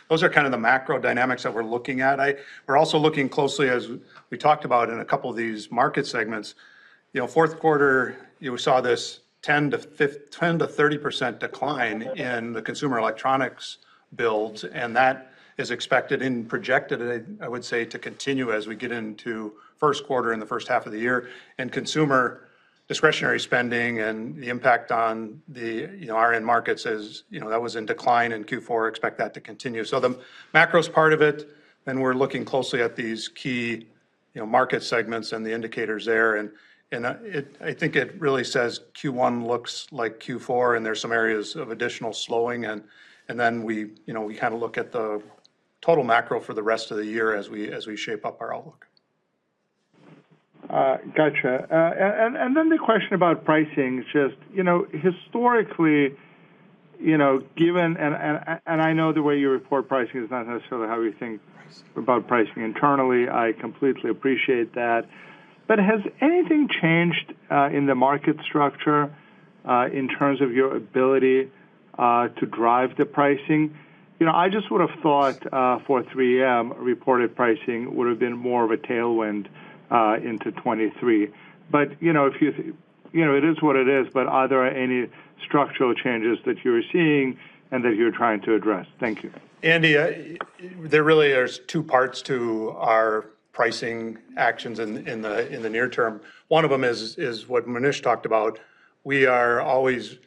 Those are kind of the macro dynamics that we're looking at. We're also looking closely, as we talked about in a couple of these market segments. You know, fourth quarter, you saw this 10%-30% decline in the consumer electronics build, and that is expected and projected, I would say, to continue as we get into first quarter and the first half of the year. Consumer discretionary spending and the impact on the, you know, OEM markets is. You know, that was in decline in Q4, expect that to continue. The macro's part of it, then we're looking closely at these key, you know, market segments and the indicators there. I think it really says Q1 looks like Q4, and there's some areas of additional slowing and then we kind of look at the total macro for the rest of the year as we, as we shape up our outlook. Gotcha. The question about pricing is just, you know, historically, you know, given... I know the way you report pricing is not necessarily how we think- Right About pricing internally. I completely appreciate that. Has anything changed in the market structure in terms of your ability to drive the pricing? You know, I just would've thought for 3M, reported pricing would've been more of a tailwind into 2023. You know, it is what it is, but are there any structural changes that you're seeing and that you're trying to address? Thank you. Andy, there really is two parts to our pricing actions in the near term. One of them is what Monish talked about. We are always,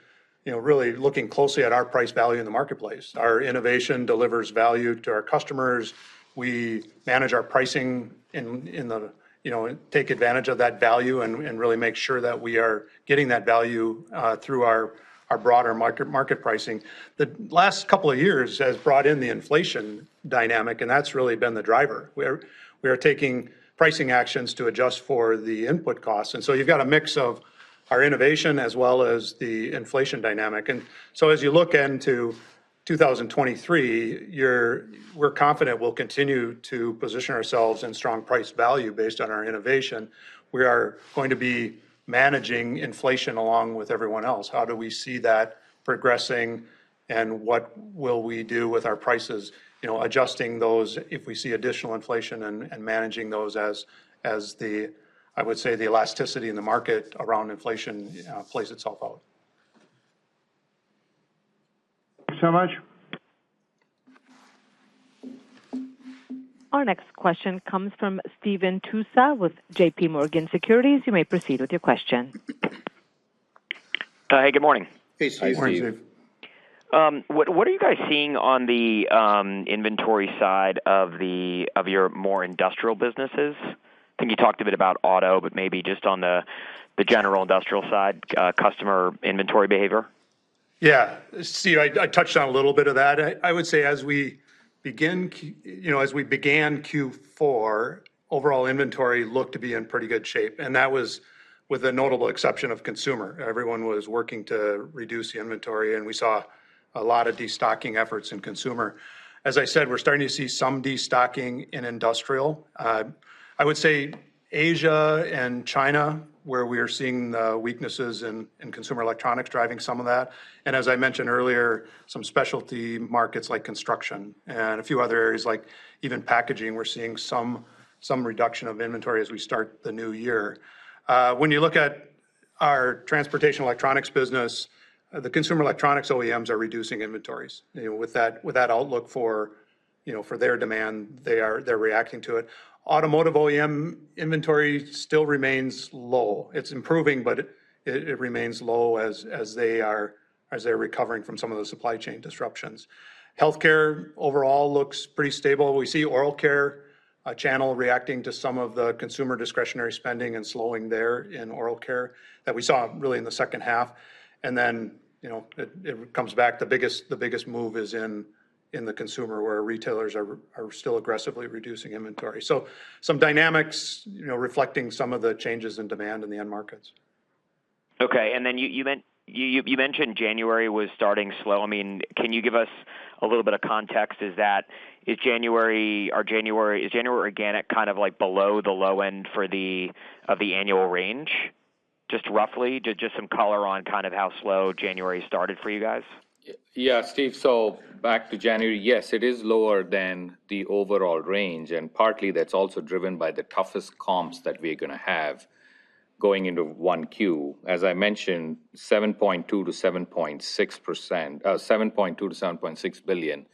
you know, really looking closely at our price value in the marketplace. Our innovation delivers value to our customers. We manage our pricing in the, you know, take advantage of that value and really make sure that we are getting that value through our broader market pricing. The last couple of years has brought in the inflation dynamic, and that's really been the driver, where we are taking pricing actions to adjust for the input costs. You've got a mix of our innovation as well as the inflation dynamic. As you look into 2023, we're confident we'll continue to position ourselves in strong price value based on our innovation. We are going to be managing inflation along with everyone else. How do we see that progressing, and what will we do with our prices? You know, adjusting those if we see additional inflation and managing those as the, I would say, the elasticity in the market around inflation plays itself out. Thanks so much. Our next question comes from Steve Tusa with J.P. Morgan Securities LLC. You may proceed with your question. Hey, good morning. Hey, Steve. Good morning, Steve. What are you guys seeing on the inventory side of your more industrial businesses? I think you talked a bit about auto, but maybe just on the general industrial side, customer inventory behavior? Yeah. Steve, I touched on a little bit of that. I would say as we begin you know, as we began Q4, overall inventory looked to be in pretty good shape, and that was with the notable exception of Consumer. Everyone was working to reduce the inventory, and we saw a lot of destocking efforts in Consumer. As I said, we're starting to see some destocking in industrial. I would say Asia and China, where we are seeing the weaknesses in consumer electronics driving some of that, and as I mentioned earlier, some specialty markets like construction and a few other areas like even packaging, we're seeing some reduction of inventory as we start the new year. When you look at our Transportation Electronics business, the consumer electronics OEMs are reducing inventories. You know, with that outlook for, you know, for their demand, they're reacting to it. Automotive OEM inventory still remains low. It's improving, but it remains low as they're recovering from some of the supply chain disruptions. Healthcare overall looks pretty stable. We see oral care channel reacting to some of the consumer discretionary spending and slowing there in oral care that we saw really in the second half. You know, it comes back. The biggest move is in the consumer, where retailers are still aggressively reducing inventory. Some dynamics, you know, reflecting some of the changes in demand in the end markets. Okay. You mentioned January was starting slow. I mean, can you give us a little bit of context? Is January organic kind of like below the low end of the annual range? Just roughly, just some color on kind of how slow January started for you guys. Yeah, Steve. Back to January, yes, it is lower than the overall range, and partly that's also driven by the toughest comps that we're gonna have going into 1Q. As I mentioned, $7.2 billion-$7.6 billion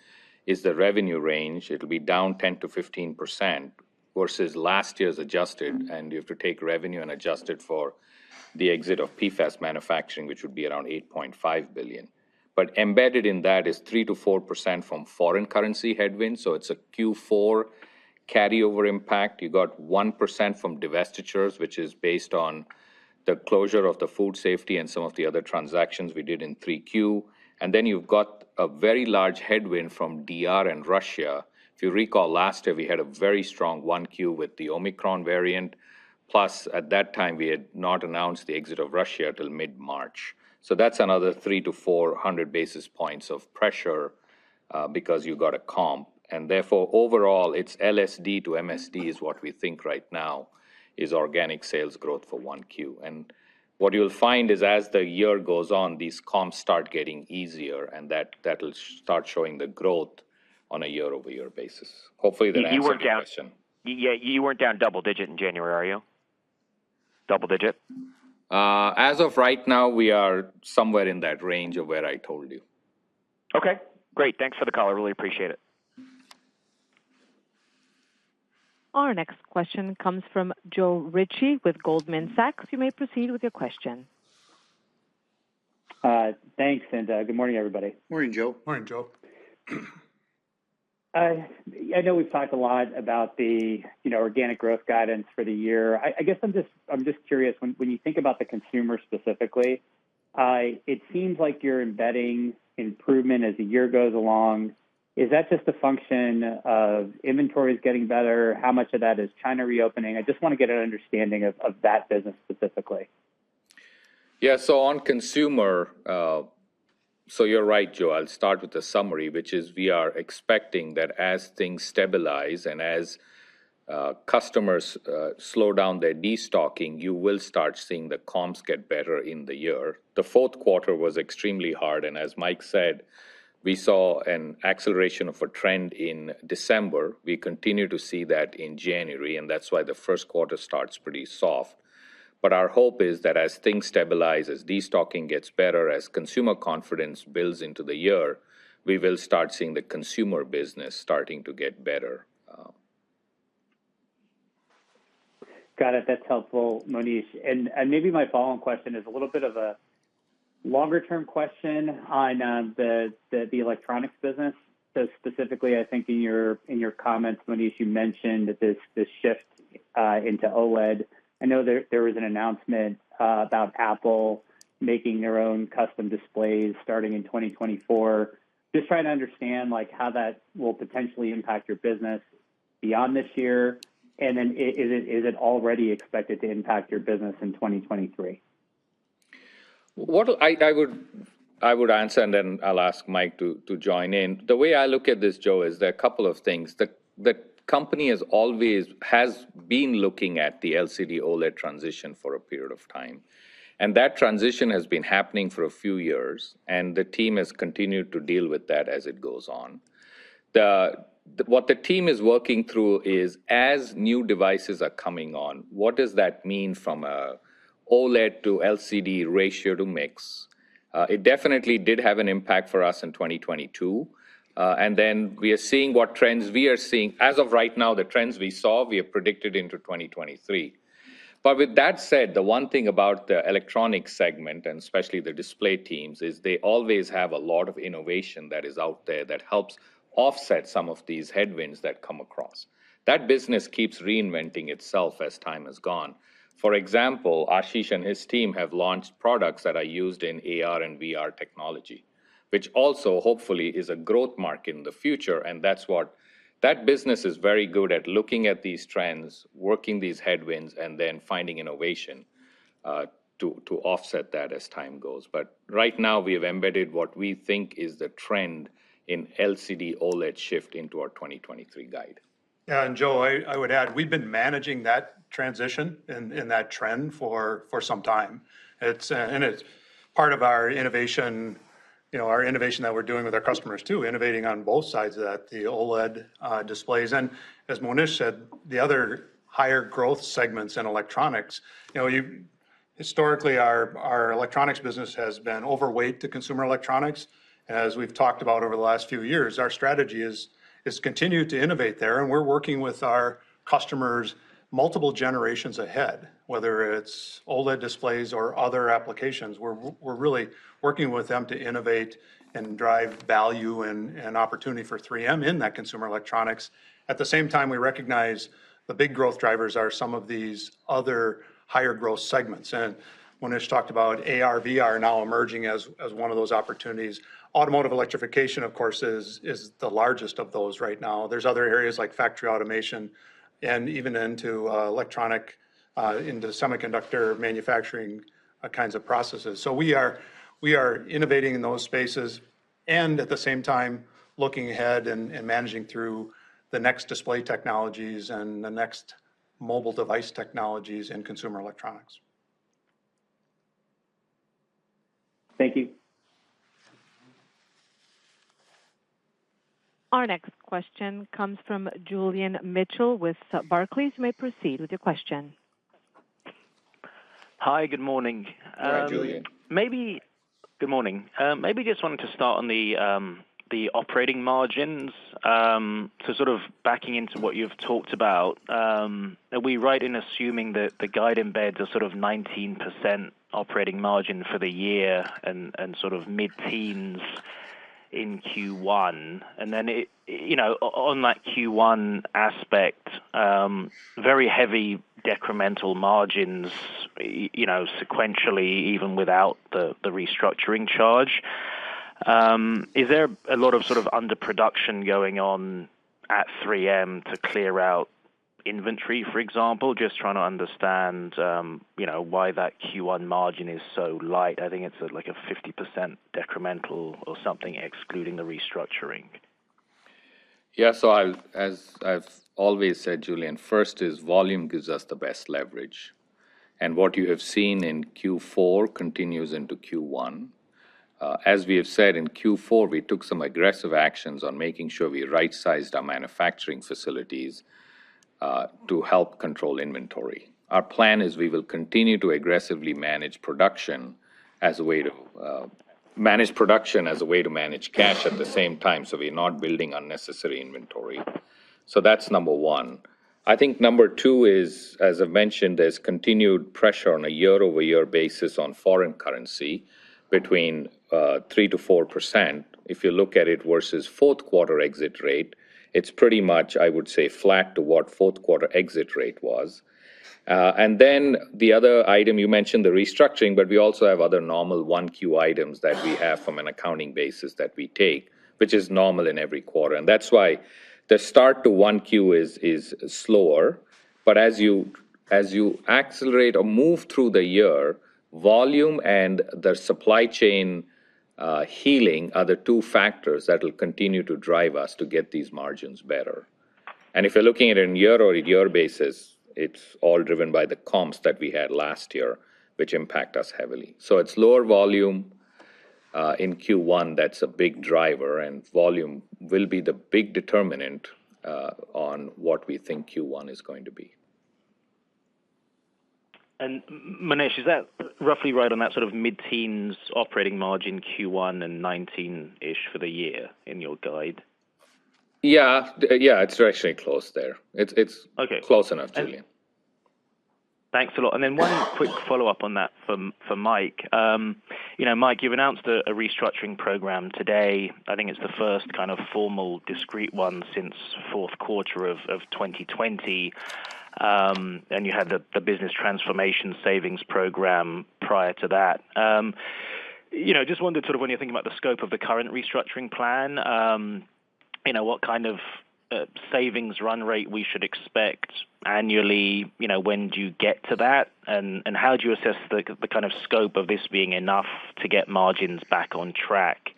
is the revenue range. It'll be down 10%-15%. Versus last year's adjusted, you have to take revenue and adjust it for the exit of PFAS manufacturing, which would be around $8.5 billion. Embedded in that is 3%-4% from foreign currency headwinds, so it's a Q4 carryover impact. You got 1% from divestitures, which is based on the closure of the Food Safety and some of the other transactions we did in 3Q. You've got a very large headwind from DR and Russia. You recall last year, we had a very strong 1Q with the Omicron variant, plus at that time, we had not announced the exit of Russia till mid-March. That's another 300-400 basis points of pressure because you got a comp. Therefore, overall, it's LSD to MSD is what we think right now is organic sales growth for 1Q. What you'll find is as the year goes on, these comps start getting easier, and that will start showing the growth on a year-over-year basis. Hopefully that answers your question. You weren't down, yeah, you weren't down double digit in January, are you? Double digit? As of right now, we are somewhere in that range of where I told you. Okay, great. Thanks for the call. I really appreciate it. Our next question comes from Joe Ritchie with Goldman Sachs. You may proceed with your question. Thanks, good morning, everybody. Morning, Joe. Morning, Joe. I know we've talked a lot about the, you know, organic growth guidance for the year. I guess I'm just curious when you think about the Consumer specifically, it seems like you're embedding improvement as the year goes along. Is that just a function of inventories getting better? How much of that is China reopening? I just wanna get an understanding of that business specifically. Yeah. On consumer, so you're right, Joe. I'll start with the summary, which is we are expecting that as things stabilize and as customers slow down their destocking, you will start seeing the comps get better in the year. The fourth quarter was extremely hard, and as Mike said, we saw an acceleration of a trend in December. We continue to see that in January, and that's why the first quarter starts pretty soft. Our hope is that as things stabilize, as destocking gets better, as consumer confidence builds into the year, we will start seeing the consumer business starting to get better. Got it. That's helpful, Monish. Maybe my follow-on question is a little bit of a longer-term question on the electronics business. Specifically, I think in your comments, Monish, you mentioned this shift into OLED. I know there was an announcement about Apple making their own custom displays starting in 2024. Just trying to understand, like, how that will potentially impact your business beyond this year, and then is it already expected to impact your business in 2023? What I would answer, and then I'll ask Mike to join in. The way I look at this, Joe, is there are a couple of things. The company has always been looking at the LCD OLED transition for a period of time, and that transition has been happening for a few years, and the team has continued to deal with that as it goes on. What the team is working through is as new devices are coming on, what does that mean from a OLED to LCD ratio to mix? It definitely did have an impact for us in 2022. Then we are seeing what trends we are seeing. As of right now, the trends we saw, we have predicted into 2023. With that said, the one thing about the electronic segment, and especially the display teams, is they always have a lot of innovation that is out there that helps offset some of these headwinds that come across. That business keeps reinventing itself as time has gone. For example, Ashish and his team have launched products that are used in AR and VR technology, which also hopefully is a growth market in the future. That business is very good at looking at these trends, working these headwinds, and then finding innovation to offset that as time goes. Right now we have embedded what we think is the trend in LCD OLED shift into our 2023 guide. Yeah. Joe, I would add, we've been managing that transition and that trend for some time. It's part of our innovation, you know, our innovation that we're doing with our customers too, innovating on both sides of that, the OLED displays. As Monish said, the other higher growth segments in electronics. You know, historically, our electronics business has been overweight to consumer electronics. As we've talked about over the last few years, our strategy is to continue to innovate there, and we're working with our customers multiple generations ahead, whether it's OLED displays or other applications. We're really working with them to innovate and drive value and opportunity for 3M in that consumer electronics. At the same time, we recognize the big growth drivers are some of these other higher growth segments. Monish talked about ARVR now emerging as one of those opportunities. Automotive electrification, of course, is the largest of those right now. There's other areas like factory automation and even into electronic into semiconductor manufacturing kinds of processes. We are innovating in those spaces and at the same time looking ahead and managing through the next display technologies and the next mobile device technologies and consumer electronics. Thank you. Our next question comes from Julian Mitchell with Barclays. You may proceed with your question. Hi. Good morning. Hi, Julian. Good morning. Maybe just wanted to start on the operating margins, to sort of backing into what you've talked about. Are we right in assuming that the guide embeds a sort of 19% operating margin for the year and sort of mid-teens in Q1? You know, on that Q1 aspect, very heavy decremental margins, you know, sequentially, even without the restructuring charge. Is there a lot of sort of underproduction going on at 3M to clear out inventory, for example? Just trying to understand, you know, why that Q1 margin is so light. I think it's at, like, a 50% decremental or something, excluding the restructuring. As I've always said, Julian, first is volume gives us the best leverage. What you have seen in Q4 continues into Q1. As we have said in Q4, we took some aggressive actions on making sure we right-sized our manufacturing facilities to help control inventory. Our plan is we will continue to aggressively manage production as a way to manage cash at the same time, we're not building unnecessary inventory. That's number one. I think number two is, as I mentioned, there's continued pressure on a year-over-year basis on foreign currency between 3%-4%. If you look at it versus fourth quarter exit rate, it's pretty much, I would say, flat to what fourth quarter exit rate was. The other item you mentioned, the restructuring, but we also have other normal one Q items that we have from an accounting basis that we take, which is normal in every quarter. That's why the start to one Q is slower. As you accelerate or move through the year, volume and the supply chain healing are the two factors that will continue to drive us to get these margins better. If you're looking at it in year-over-year basis, it's all driven by the comps that we had last year, which impact us heavily. It's lower volume in Q-one that's a big driver, and volume will be the big determinant on what we think Q-one is going to be. Monish, is that roughly right on that sort of mid-teens operating margin, Q1 and 19-ish for the year in your guide? Yeah. Yeah. It's actually close there. Okay. close enough, Julian. Thanks a lot. Then one quick follow-up on that from, for Mike. You know, Mike, you've announced a restructuring program today. I think it's the first kind of formal discrete one since fourth quarter of 2020. You had the business transformation savings program prior to that. You know, just wondered sort of when you're thinking about the scope of the current restructuring plan, you know, what kind of savings run rate we should expect annually? You know, when do you get to that, and how do you assess the kind of scope of this being enough to get margins back on track,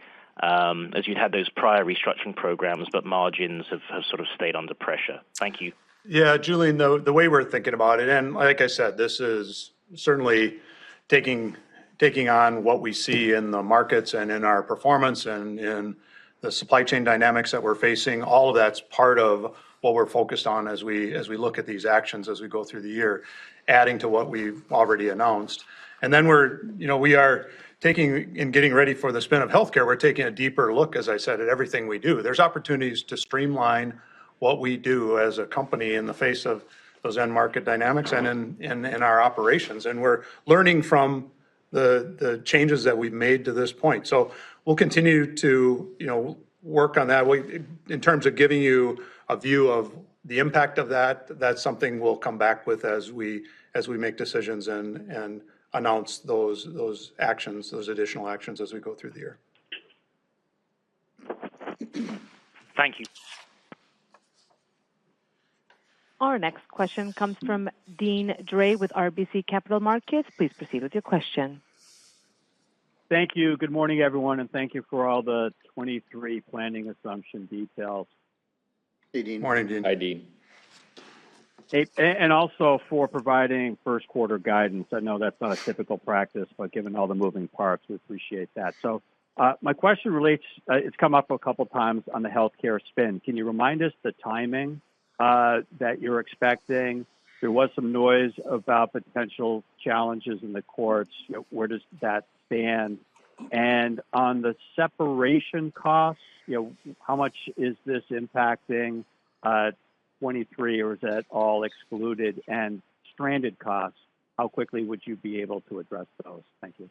as you had those prior restructuring programs, but margins have sort of stayed under pressure? Thank you. Yeah. Julian, the way we're thinking about it, like I said, this is certainly taking on what we see in the markets and in our performance and in the supply chain dynamics that we're facing. All of that's part of what we're focused on as we look at these actions as we go through the year, adding to what we've already announced. We're, you know, we are taking and getting ready for the spin of Health Care. We're taking a deeper look, as I said, at everything we do. There's opportunities to streamline what we do as a company in the face of those end market dynamics and in our operations. We're learning from the changes that we've made to this point. We'll continue to, you know, work on that. In terms of giving you a view of the impact of that's something we'll come back with as we make decisions and announce those actions, those additional actions as we go through the year. Thank you. Our next question comes from Deane Dray with RBC Capital Markets. Please proceed with your question. Thank you. Good morning, everyone. Thank you for all the 23 planning assumption details. Hey, Deane. Morning, Deane. Hi, Deane. Also for providing first quarter guidance. I know that's not a typical practice, but given all the moving parts, we appreciate that. My question relates, it's come up a couple of times on the Health Care spin. Can you remind us the timing that you're expecting? There was some noise about the potential challenges in the courts. You know, where does that stand? On the separation costs, you know, how much is this impacting, 2023, or is that all excluded and stranded costs? How quickly would you be able to address those? Thank you.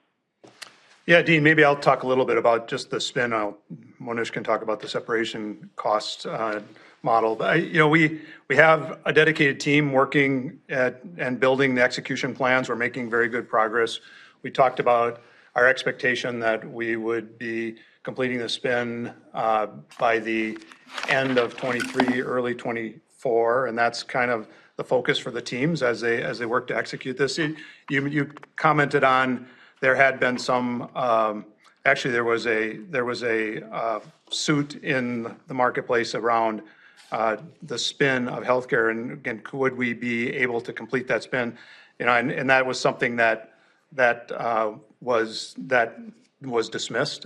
Yeah. Deane, maybe I'll talk a little bit about just the spin out. Monish can talk about the separation cost model. You know, we have a dedicated team working at and building the execution plans. We're making very good progress. We talked about our expectation that we would be completing the spin by the end of 2023, early 2024. That's kind of the focus for the teams as they work to execute this. You commented on there had been some. Actually, there was a suit in the marketplace around the spin of Health Care and could we be able to complete that spin, you know. That was something that That was dismissed.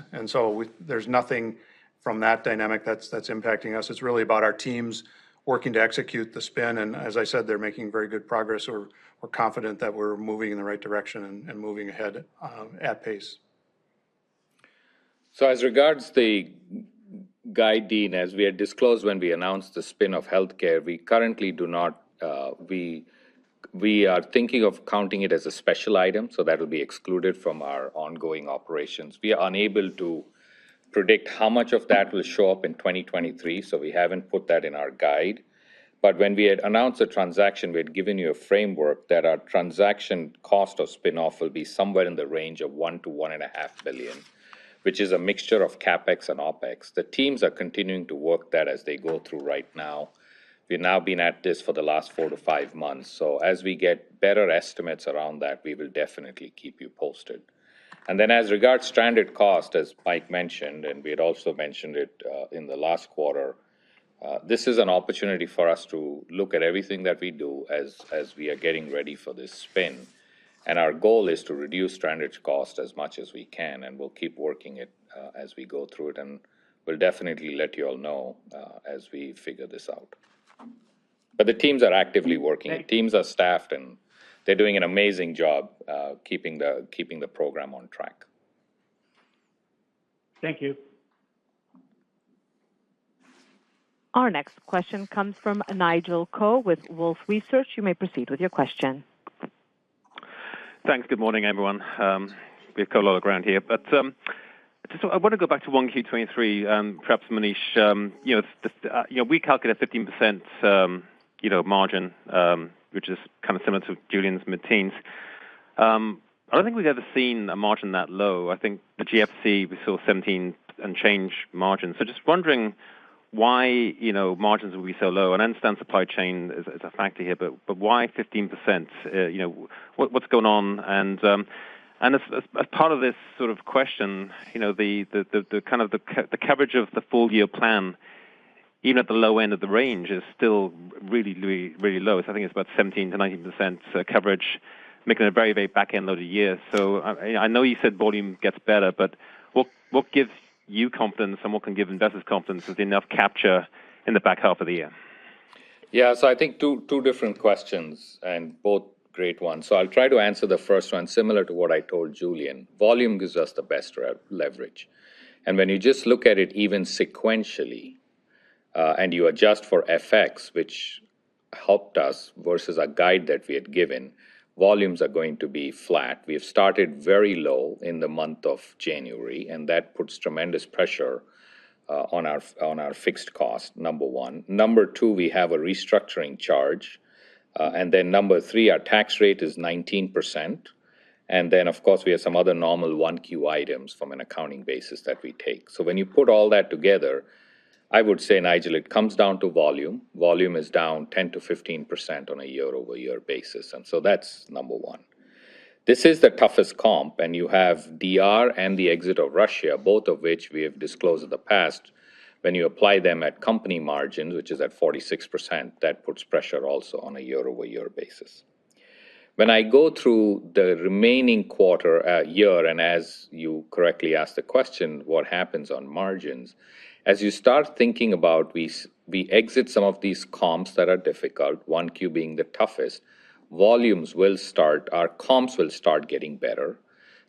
There's nothing from that dynamic that's impacting us. It's really about our teams working to execute the spin. As I said, they're making very good progress. We're confident that we're moving in the right direction and moving ahead at pace. As regards the guide, Deane, as we had disclosed when we announced the spin of Health Care, we currently do not, we are thinking of counting it as a special item, so that will be excluded from our ongoing operations. We are unable to predict how much of that will show up in 2023, so we haven't put that in our guide. When we had announced the transaction, we had given you a framework that our transaction cost of spin-off will be somewhere in the range of $1 billion-$1.5 billion, which is a mixture of CapEx and OpEx. The teams are continuing to work that as they go through right now. We've now been at this for the last four to five months. As we get better estimates around that, we will definitely keep you posted. As regards stranded cost, as Mike mentioned, and we had also mentioned it, in the last quarter, this is an opportunity for us to look at everything that we do as we are getting ready for this spin. Our goal is to reduce stranded cost as much as we can, and we'll keep working it, as we go through it. We'll definitely let you all know, as we figure this out. The teams are actively working. The teams are staffed, and they're doing an amazing job, keeping the program on track. Thank you. Our next question comes from Nigel Coe with Wolfe Research. You may proceed with your question. Thanks. Good morning, everyone. We've got a lot of ground here. Just I wanna go back to 1Q23, perhaps Monish. You know, just, you know, we calculate 15%, you know, margin, which is kind of similar to Julian's mid-teens. I don't think we've ever seen a margin that low. I think the GFC, we saw 17 and change margins. Just wondering why, you know, margins will be so low. I understand supply chain is a factor here, but why 15%? You know, what's going on? And as part of this sort of question, you know, the kind of the co-coverage of the full year plan, even at the low end of the range, is still really, really, really low. I think it's about 17%-19% coverage, making a very, very back end load of year. I know you said volume gets better, but what gives you confidence and what can give investors confidence there's enough capture in the back half of the year? I think two different questions and both great ones. I'll try to answer the first one similar to what I told Julian. Volume gives us the best re- leverage. When you just look at it even sequentially, and you adjust for FX, which helped us versus a guide that we had given, volumes are going to be flat. We have started very low in the month of January, and that puts tremendous pressure on our fixed cost, number one. Number two, we have a restructuring charge. Number three, our tax rate is 19%. Of course, we have some other normal 1Q items from an accounting basis that we take. When you put all that together, I would say, Nigel, it comes down to volume. Volume is down 10%-15% on a year-over-year basis. That's number one. This is the toughest comp. You have DR and the exit of Russia, both of which we have disclosed in the past. When you apply them at company margins, which is at 46%, that puts pressure also on a year-over-year basis. When I go through the remaining quarter, year, as you correctly asked the question, what happens on margins? As you start thinking about we exit some of these comps that are difficult, 1Q being the toughest, volumes will start, our comps will start getting better.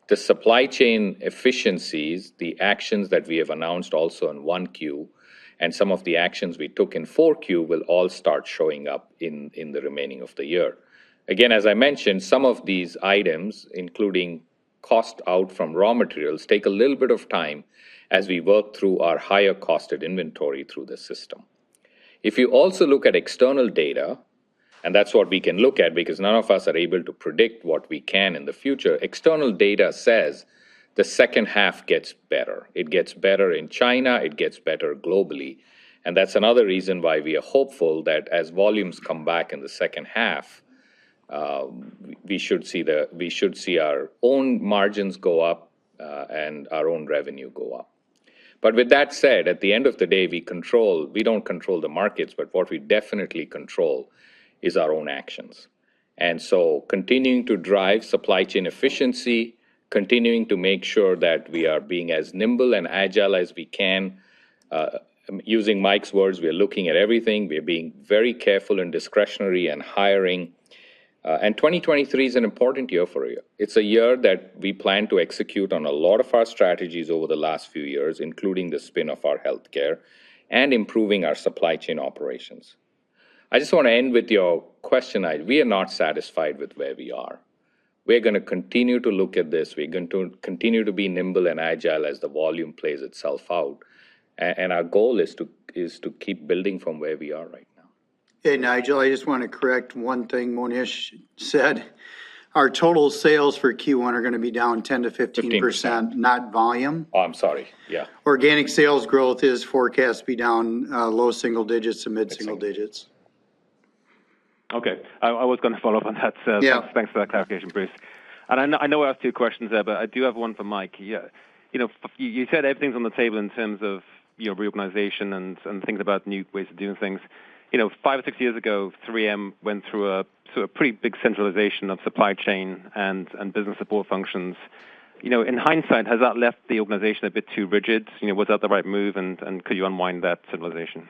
The supply chain efficiencies, the actions that we have announced also in 1Q and some of the actions we took in 4Q will all start showing up in the remaining of the year. As I mentioned, some of these items, including cost out from raw materials, take a little bit of time as we work through our higher cost of inventory through the system. If you also look at external data, and that's what we can look at because none of us are able to predict what we can in the future, external data says the second half gets better. It gets better in China, it gets better globally. That's another reason why we are hopeful that as volumes come back in the second half, we should see our own margins go up and our own revenue go up. With that said, at the end of the day, we don't control the markets, but what we definitely control is our own actions. continuing to drive supply chain efficiency, continuing to make sure that we are being as nimble and agile as we can. Using Mike Roman's words, we are looking at everything. We are being very careful and discretionary in hiring. And 2023 is an important year for you. It's a year that we plan to execute on a lot of our strategies over the last few years, including the spin of our Health Care and improving our supply chain operations. I just wanna end with your question, Nigel. We are not satisfied with where we are. We're gonna continue to look at this. We're going to continue to be nimble and agile as the volume plays itself out. And our goal is to keep building from where we are right now. Hey, Nigel. I just wanna correct one thing Monish said. Our total sales for Q1 are gonna be down 10%-15%... Fifteen not volume. Oh, I'm sorry. Yeah. Organic sales growth is forecast to be down, low single digits to mid-single digits. Okay. I was gonna follow up on that. Yeah. Thanks for that clarification, Bruce. I know I have two questions there, but I do have one for Mike. You know, you said everything's on the table in terms of, you know, reorganization and thinking about new ways of doing things. You know, five or six years ago, 3M went through a sort of pretty big centralization of supply chain and business support functions. You know, in hindsight, has that left the organization a bit too rigid? You know, was that the right move, and could you unwind that centralization?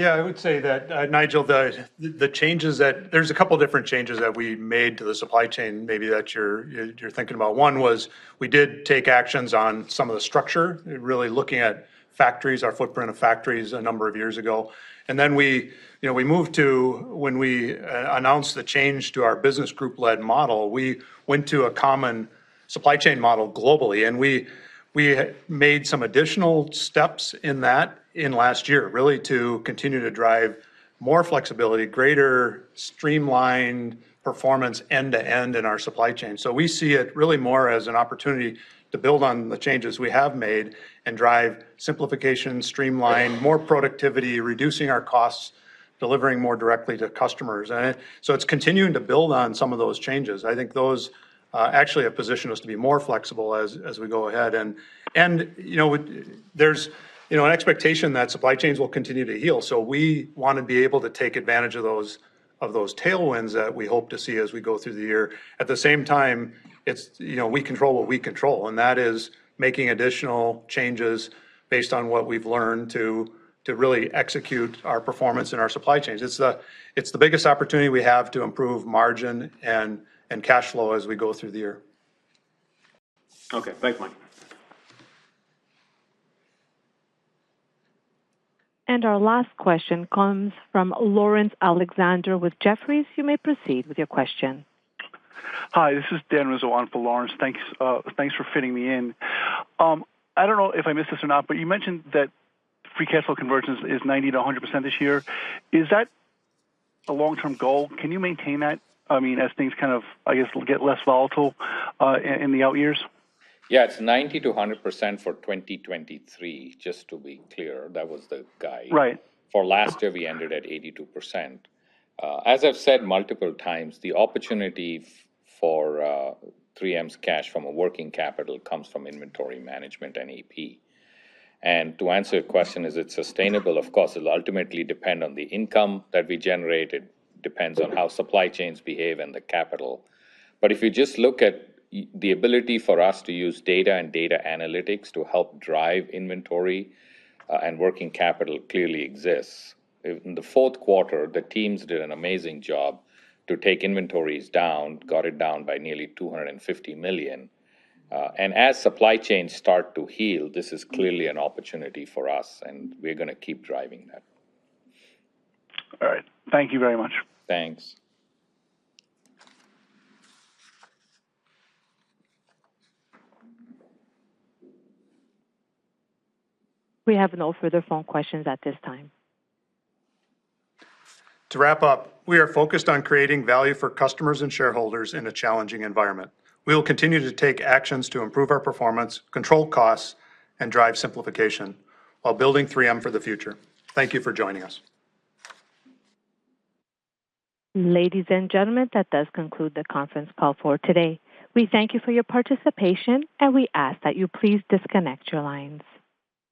I would say that Nigel Coe, there's a couple different changes that we made to the supply chain maybe that you're thinking about. One was we did take actions on some of the structure, really looking at factories, our footprint of factories a number of years ago. We, you know, we moved to... When we announced the change to our business group-led model, we went to a common supply chain model globally, and we made some additional steps in that in last year, really to continue to drive more flexibility, greater streamlined performance end-to-end in our supply chain. We see it really more as an opportunity to build on the changes we have made and drive simplification, streamline, more productivity, reducing our costs, delivering more directly to customers. It's continuing to build on some of those changes. I think those actually have positioned us to be more flexible as we go ahead. You know, there's, you know, an expectation that supply chains will continue to heal, so we wanna be able to take advantage of those tailwinds that we hope to see as we go through the year. At the same time, it's, you know, we control what we control, and that is making additional changes based on what we've learned to really execute our performance and our supply chains. It's the biggest opportunity we have to improve margin and cash flow as we go through the year. Okay. Thanks, Mike. Our last question comes from Laurence Alexander with Jefferies. You may proceed with your question. Hi, this is Dan Rizzo for Laurence. Thanks, thanks for fitting me in. I don't know if I missed this or not, but you mentioned that free cash flow convergence is 90% to 100% this year. Is that a long-term goal? Can you maintain that, I mean, as things kind of, I guess, get less volatile, in the out years? Yeah, it's 90% to 100% for 2023, just to be clear. That was the guide. Right. For last year, we ended at 82%. As I've said multiple times, the opportunity for 3M's cash from a working capital comes from inventory management and AP. To answer your question, is it sustainable? Of course, it'll ultimately depend on the income that we generated, depends on how supply chains behave and the capital. If you just look at the ability for us to use data and data analytics to help drive inventory and working capital clearly exists. In the fourth quarter, the teams did an amazing job to take inventories down, got it down by nearly $250 million. As supply chains start to heal, this is clearly an opportunity for us, and we're gonna keep driving that. All right. Thank you very much. Thanks. We have no further phone questions at this time. To wrap up, we are focused on creating value for customers and shareholders in a challenging environment. We will continue to take actions to improve our performance, control costs, and drive simplification while building 3M for the future. Thank you for joining us. Ladies and gentlemen, that does conclude the conference call for today. We thank you for your participation, and we ask that you please disconnect your lines.